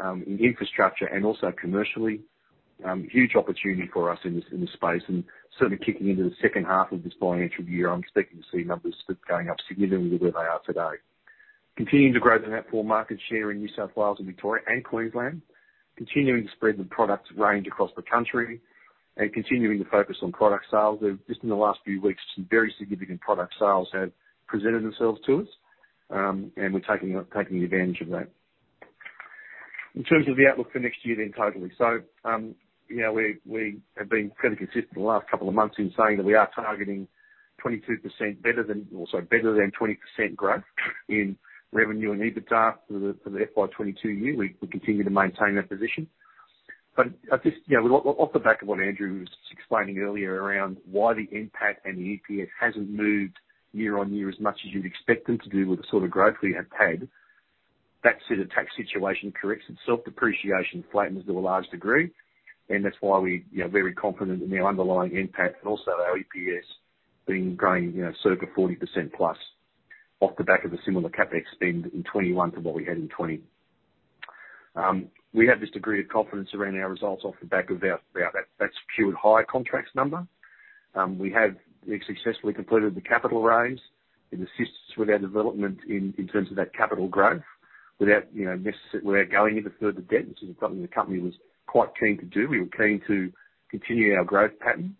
in infrastructure and also commercially. Huge opportunity for us in this space and certainly kicking into the second half of this financial year, I'm expecting to see numbers going up significantly where they are today. Continuing to grow the Natform market share in New South Wales and Victoria and Queensland, continuing to spread the product range across the country and continuing to focus on product sales. Just in the last few weeks, some very significant product sales have presented themselves to us, and we're taking advantage of that. In terms of the outlook for next year then totally. We have been fairly consistent the last couple of months in saying that we are targeting better than 20% growth in revenue and EBITDA for the FY 2022 year. We continue to maintain that position. Off the back of what Andrew was explaining earlier around why the NPAT and the EPS hasn't moved year-on-year as much as you'd expect them to do with the sort of growth we have had, that's the tax situation corrects itself, depreciation flattens to a large degree, and that's why we're very confident in the underlying NPAT and also our EPS growing circa 40%+ off the back of a similar CapEx spend in 2021 to what we had in 2020. We have this degree of confidence around our results off the back of that secured hire contracts number. We have successfully completed the capital raise. It assists with our development in terms of that capital growth without going into further debt, which is something the company was quite keen to do. We were keen to continue our growth pattern.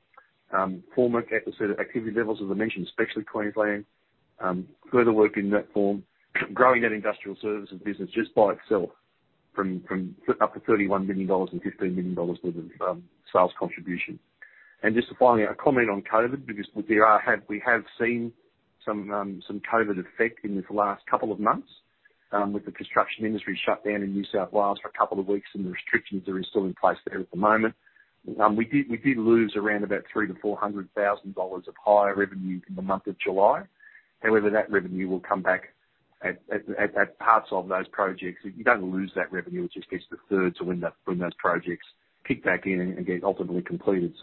Formwork [episode] activity levels, as I mentioned, especially Queensland, further work in Natform, growing that Industrial Services business just by itself up to 31 million dollars and 15 million dollars worth of sales contribution. Just finally, a comment on COVID, because we have seen some COVID effect in this last couple of months with the construction industry shut down in New South Wales for a couple of weeks and the restrictions are still in place there at the moment. We did lose around about 300,000-400,000 dollars of hire revenue in the month of July. However, that revenue will come back at parts of those projects. You don't lose that revenue. It just gets deferred to when those projects kick back in and get ultimately completed.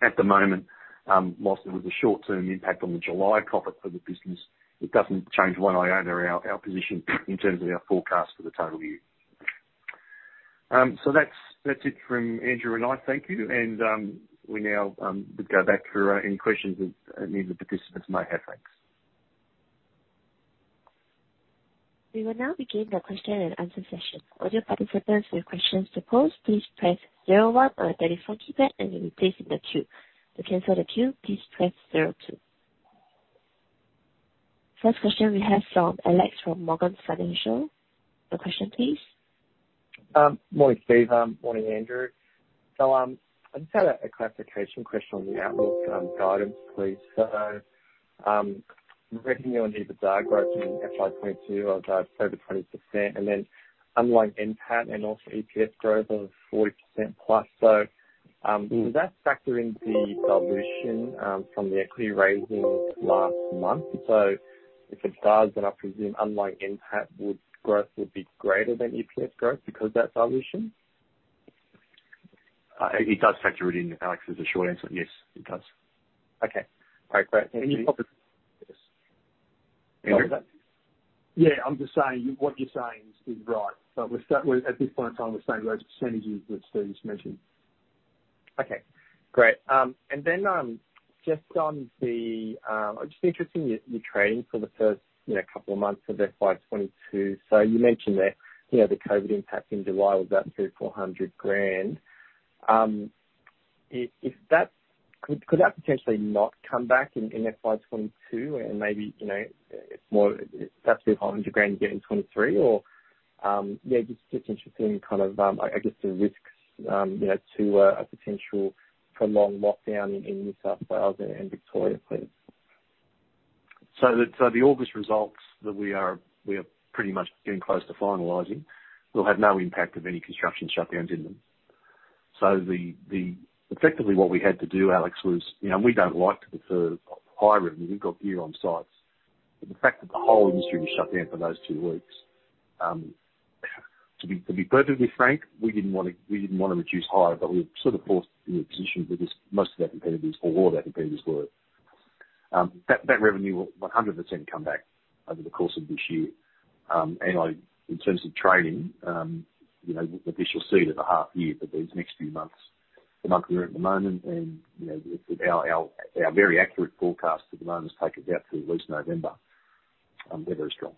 At the moment, while there was a short-term impact on the July profit for the business, it doesn't change one iota our position in terms of our forecast for the total year. That's it from Andrew and I. Thank you. We now go back for any questions that any of the participants may have. Thanks. We will now begin the question and answer session. First question we have from Alex from Morgans Financial. Your question, please. Morning, Steven. Morning, Andrew. I just had a clarification question on the outlook guidance, please. Revenue and EBITDA growth in FY 2022 of over 20%, and then underlying NPAT and also EPS growth of 40%+. Does that factor in the dilution from the equity raising last month? If it does, then I presume underlying NPAT growth would be greater than EPS growth because of that dilution. It does factor it in, Alex, is the short answer. Yes, it does. Okay. Great. Andrew? Yeah, I'm just saying, what you're saying is right. At this point in time, we're saying those % that Steve just mentioned. Okay, great. Just interesting, your trading for the first couple of months of FY 2022. You mentioned that the COVID impact in July was about 300,000-400,000. Could that potentially not come back in FY 2022 and maybe it's more, that's the AUD 100,000 you get in 2023? Just interested in, I guess the risks to a potential prolonged lockdown in New South Wales and Victoria, please. The August results that we are pretty much getting close to finalizing will have no impact of any construction shutdowns in them. Effectively what we had to do, Alex, was, and we don't like to defer hire revenue. We've got gear on sites. The fact that the whole industry was shut down for those two weeks, to be perfectly frank, we didn't want to reduce hire, but we were sort of forced into a position because most of our competitors or all of our competitors were. That revenue will 100% come back over the course of this year. In terms of trading, this you'll see it at the half year, but these next few months, the month we're in at the moment, and our very accurate forecast at the moment has taken us out to at least November. They're very strong.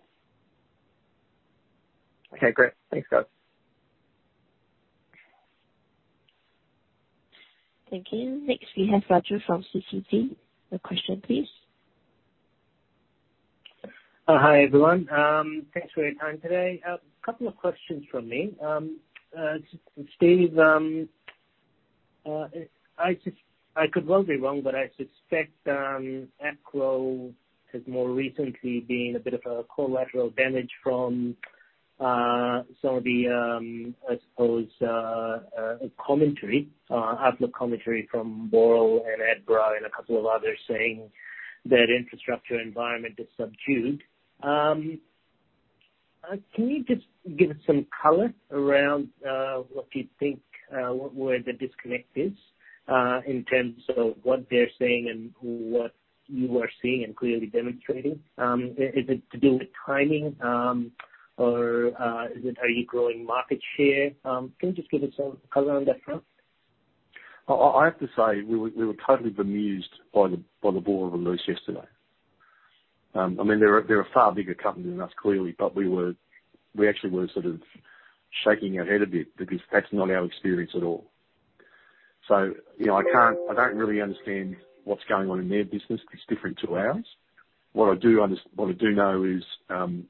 Okay, great. Thanks, guys. Thank you. Next, we have Raju from CTT. Your question please. Hi, everyone. Thanks for your time today. A couple of questions from me. Steve, I could well be wrong, but I suspect Acrow has more recently been a bit of a collateral damage from some of the, I suppose, commentary, outlook commentary from Boral and Adbri and a couple of others saying that infrastructure environment is subdued. Can you just give us some color around what you think, where the disconnect is in terms of what they're saying and what you are seeing and clearly demonstrating? Is it to do with timing, or are you growing market share? Can you just give us some color on that front? I have to say, we were totally bemused by the Boral release yesterday. They're a far bigger company than us, clearly, but we actually were sort of shaking our head a bit because that's not our experience at all. I don't really understand what's going on in their business. It's different to ours. What I do know is, and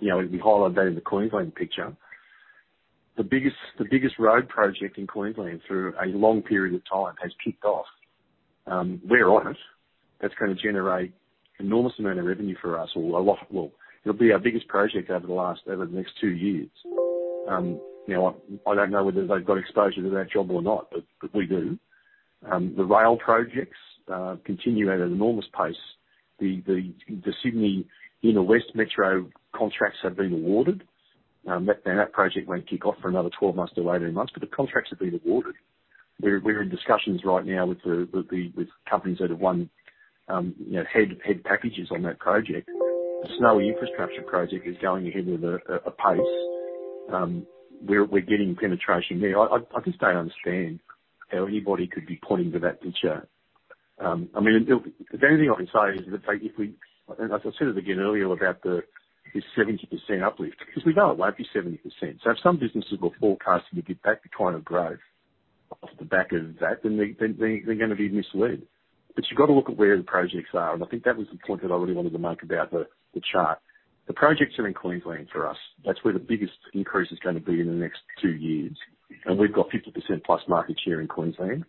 we highlight that in the Queensland picture, the biggest road project in Queensland through a long period of time has kicked off. We're on it. That's going to generate enormous amount of revenue for us. It'll be our biggest project over the next two years. I don't know whether they've got exposure to that job or not, but we do. The rail projects continue at an enormous pace. The Sydney Metro West contracts have been awarded. That project won't kick off for another 12 months to 18 months, but the contracts have been awarded. We're in discussions right now with companies that have won head packages on that project. The Snowy Hydro project is going ahead with a pace. We're getting penetration there. I just don't understand how anybody could be pointing to that picture. The only thing I can say is that I said it again earlier about this 70% uplift, because we know it won't be 70%. If some businesses were forecasting to get back to kind of growth off the back of that, then they're going to be misled. You've got to look at where the projects are, and I think that was the point that I really wanted to make about the chart. The projects are in Queensland for us. That's where the biggest increase is going to be in the next two years. We've got 50%+ market share in Queensland.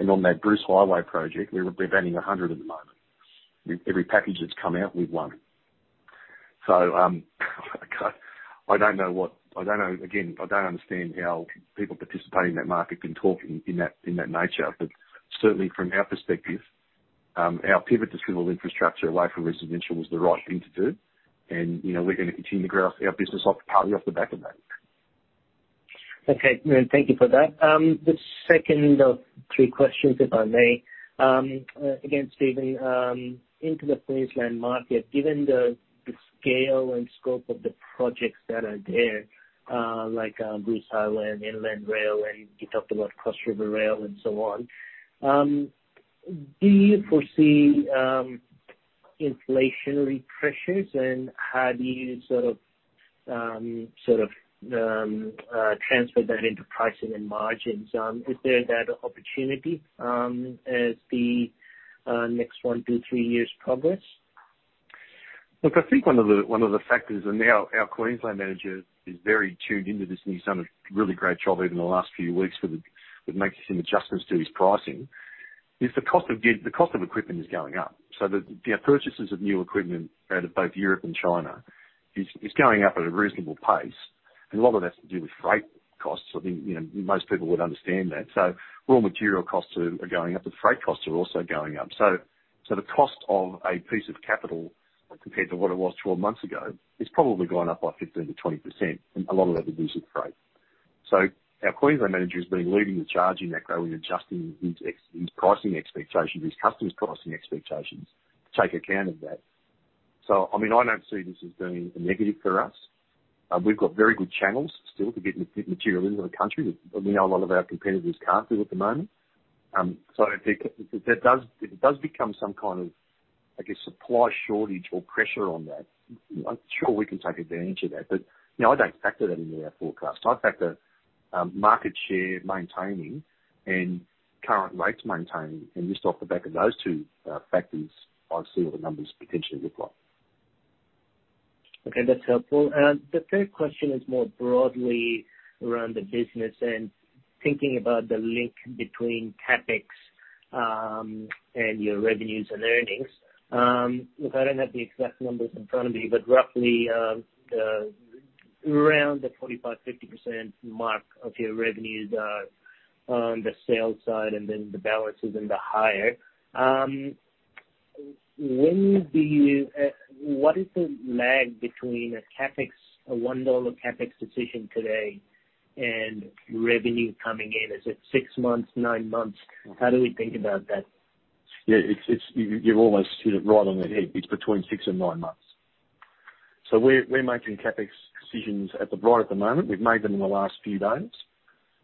On that Bruce Highway project, we're batting 100 at the moment. Every package that's come out, we've won. Again, I don't understand how people participating in that market can talk in that nature. Certainly, from our perspective, our pivot to civil infrastructure away from residential was the right thing to do, and we're going to continue to grow our business off the back of that. Okay. Thank you for that. The second of three questions, if I may. Again, Steven, into the Queensland market, given the scale and scope of the projects that are there, like Bruce Highway and Inland Rail, and you talked about Cross River Rail and so on, do you foresee inflationary pressures, and how do you sort of transfer that into pricing and margins. Is there that opportunity as the next one-three years progress? Look, I think one of the factors, and our Queensland manager is very tuned into this and he's done a really great job even in the last few weeks with making some adjustments to his pricing, is the cost of equipment is going up. The purchases of new equipment out of both Europe and China is going up at a reasonable pace. A lot of that's to do with freight costs. I think most people would understand that. Raw material costs are going up, the freight costs are also going up. The cost of a piece of capital compared to what it was 12 months ago, has probably gone up by 15%-20%, and a lot of that is due to freight. Our Queensland manager has been leading the charge in that growth and adjusting his pricing expectations, his customer's pricing expectations, to take account of that. I don't see this as being a negative for us. We've got very good channels still to get material into the country that we know a lot of our competitors can't do at the moment. If it does become some kind of, I guess, supply shortage or pressure on that, I'm sure we can take advantage of that. I don't factor that into our forecast. I factor market share maintaining and current rates maintaining, and just off the back of those two factors, I see what the numbers potentially look like. Okay, that's helpful. The third question is more broadly around the business and thinking about the link between CapEx and your revenues and earnings. Look, I don't have the exact numbers in front of me, but roughly around the 45%, 50% mark of your revenues are on the sales side and then the balances and the higher. What is the lag between a 1 dollar CapEx decision today and revenue coming in? Is it six months, nine months? How do we think about that? Yeah. You almost hit it right on the head. It's between six and nine months. We're making CapEx decisions right at the moment. We've made them in the last few days.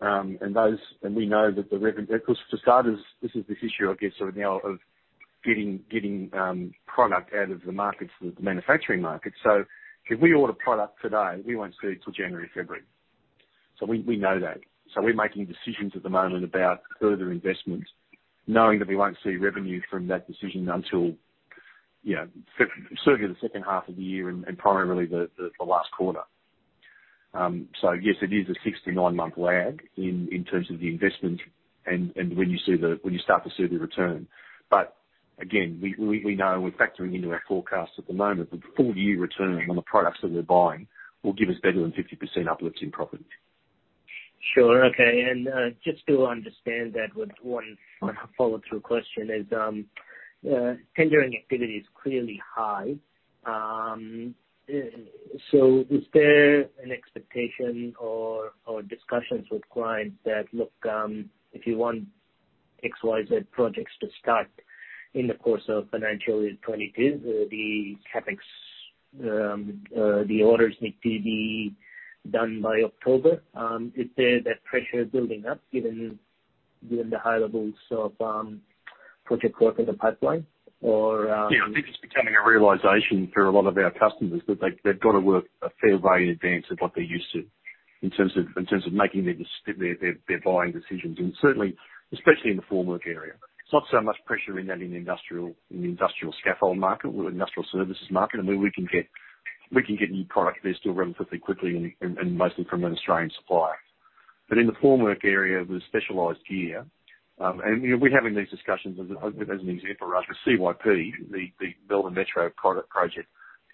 We know that the revenue Of course, to starters, this is the issue I guess right now of getting product out of the markets, the manufacturing markets. If we order product today, we won't see it till January, February. We know that. We're making decisions at the moment about further investments, knowing that we won't see revenue from that decision until certainly the second half of the year and primarily the last quarter. Yes, it is a six-nine-month lag in terms of the investment and when you start to see the return. Again, we know and we're factoring into our forecast at the moment, the full-year return on the products that we're buying will give us better than 50% uplifts in profit. Sure. Okay. Just to understand that with one follow-through question is, tendering activity is clearly high. Is there an expectation or discussions with clients that, look, if you want XYZ projects to start in the course of financial year 2022, the CapEx, the orders need to be done by October? Is there that pressure building up given the high levels of project work in the pipeline? Yeah, I think it's becoming a realization for a lot of our customers that they've got to work a fair way in advance of what they're used to in terms of making their buying decisions, and certainly, especially in the formwork area. It's not so much pressure in the industrial scaffold market or industrial services market. I mean, we can get new product there still relatively quickly and mostly from an Australian supplier. In the formwork area with specialized gear, and we're having these discussions as an example, Raj, with CYP, the Melbourne Metro project.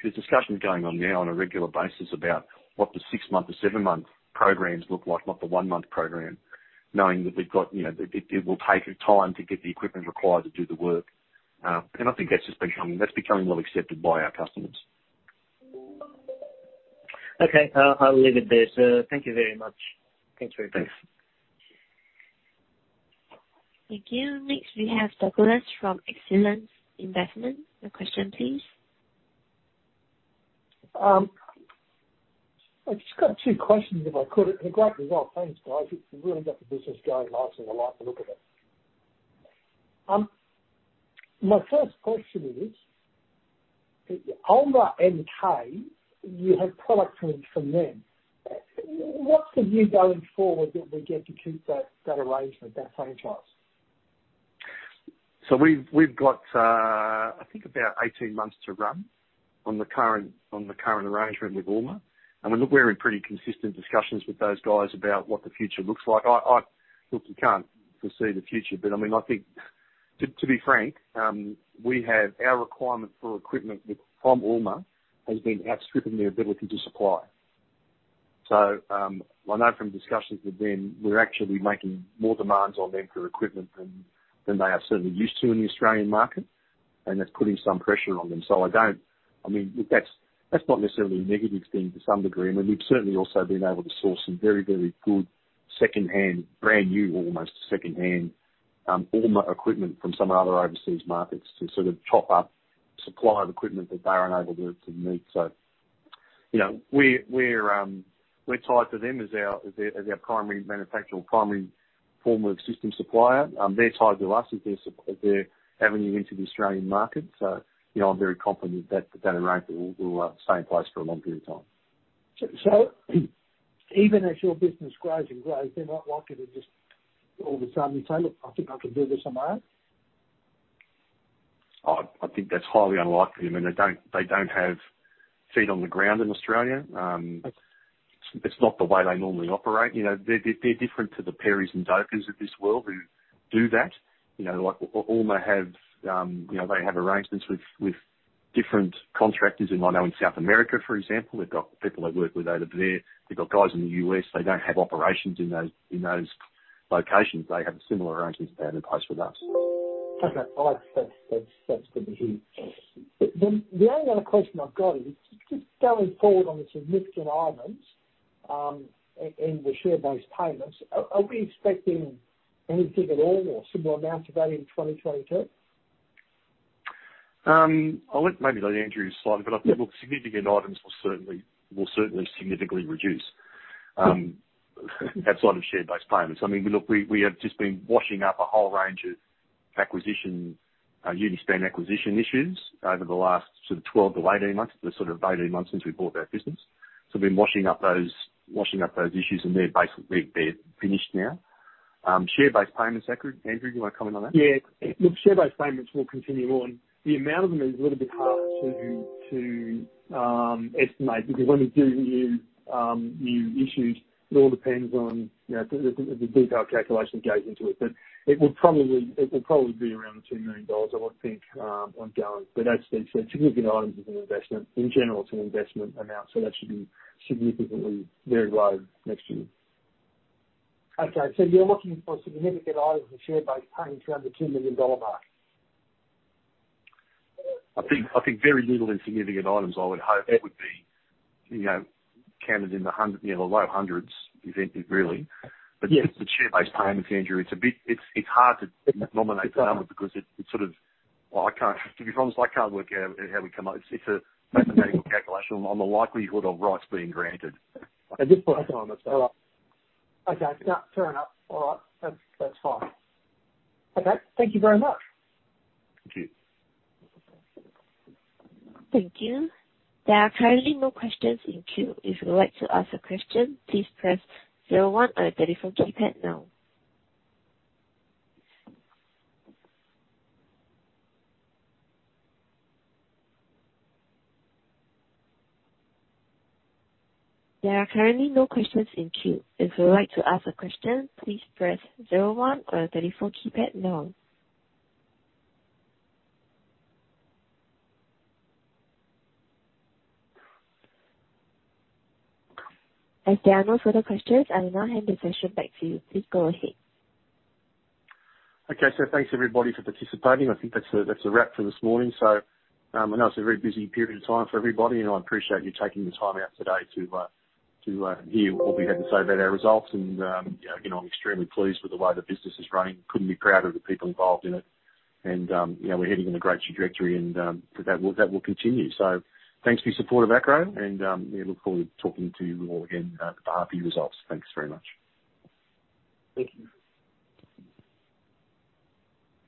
There's discussions going on now on a regular basis about what the six-month or seven-month programs look like, not the one-month program, knowing that it will take time to get the equipment required to do the work. I think that's becoming well accepted by our customers. Okay. I'll leave it there, sir. Thank you very much. Thanks very much. Thank you. Next we have Douglas from Excellence Investment. Your question, please. I've just got two questions if I could. Great result. Thanks, guys. You've really got the business going nicely. I like the look of it. My first question is, ULMA MK, you have product from them. What's the view going forward that we get to keep that arrangement, that franchise? We've got, I think about 18 months to run on the current arrangement with ULMA. Look, we're in pretty consistent discussions with those guys about what the future looks like. Look, we can't foresee the future, but I mean, I think to be frank, our requirement for equipment from ULMA has been outstripping their ability to supply. I know from discussions with them, we're actually making more demands on them for equipment than they are certainly used to in the Australian market, and that's putting some pressure on them. That's not necessarily a negative thing to some degree. I mean, we've certainly also been able to source some very, very good secondhand, brand new, almost secondhand ULMA equipment from some other overseas markets to sort of top up supply of equipment that they are unable to meet. We're tied to them as our primary manufacturer or primary formwork system supplier. They're tied to us as their avenue into the Australian market. I'm very confident that arrangement will stay in place for a long period of time. Even as your business grows and grows, they're not likely to just all of a sudden say, "Look, I think I can do this on my own? I think that's highly unlikely. I mean, they don't have feet on the ground in Australia. Okay. It's not the way they normally operate. They're different to the Peri and Doka of this world who do that. Like ULMA, they have arrangements with different contractors in South America, for example. They've got people they work with over there. They've got guys in the U.S. They don't have operations in those locations. They have a similar arrangement in place with us. Okay. That's good to hear. The only other question I've got is just going forward on the significant items, and the share-based payments, are we expecting anything at all or similar amount to that in 2022? I'll let maybe let Andrew slide, but I think, look, significant items will certainly significantly reduce. Yeah. Outside of share-based payments. I mean, look, we have just been washing up a whole range of Uni-span acquisition issues over the last sort of 12-18 months. The sort of 18 months since we bought that business. We've been washing up those issues, and they're finished now. Share-based payments, Andrew, you want to comment on that? Yeah. Look, share-based payments will continue on. The amount of them is a little bit hard to estimate because when we do new issues, it all depends on the detailed calculation that goes into it. It will probably be around 2 million dollars, I would think, ongoing. As Steve said, significant items is an investment. In general, it's an investment amount, so that should be significantly very low next year. Okay. You're looking for significant items and share-based payments around the AUD 2 million mark. I think very little in significant items, I would hope, would be counted in the low hundreds really. The share-based payments, Andrew, it's hard to nominate the number because it's sort of To be honest, I can't work out how we come up with it. It's a mathematical calculation on the likelihood of rights being granted. At this point in time, that's right. Okay. Fair enough. All right. That's fine. Okay. Thank you very much. Thank you. Thank you. There are currently no questions in queue. If you would like to ask a question, please press zero one on your telephone keypad now. There are currently no questions in queue. If you would like to ask a question, please press zero one on your telephone keypad now. As there are no further questions, I will now hand the session back to you. Please go ahead. Okay. Thanks everybody for participating. I think that's a wrap for this morning. I know it's a very busy period of time for everybody, and I appreciate you taking the time out today to hear what we have to say about our results. I'm extremely pleased with the way the business is running. Couldn't be prouder of the people involved in it. We're heading in a great trajectory and that will continue. Thanks for your support of Acrow, and look forward to talking to you all again for half-year results. Thanks very much. Thank you.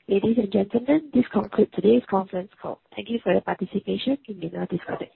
Ladies and gentlemen, this concludes today's conference call. Thank you for your participation. You may now disconnect.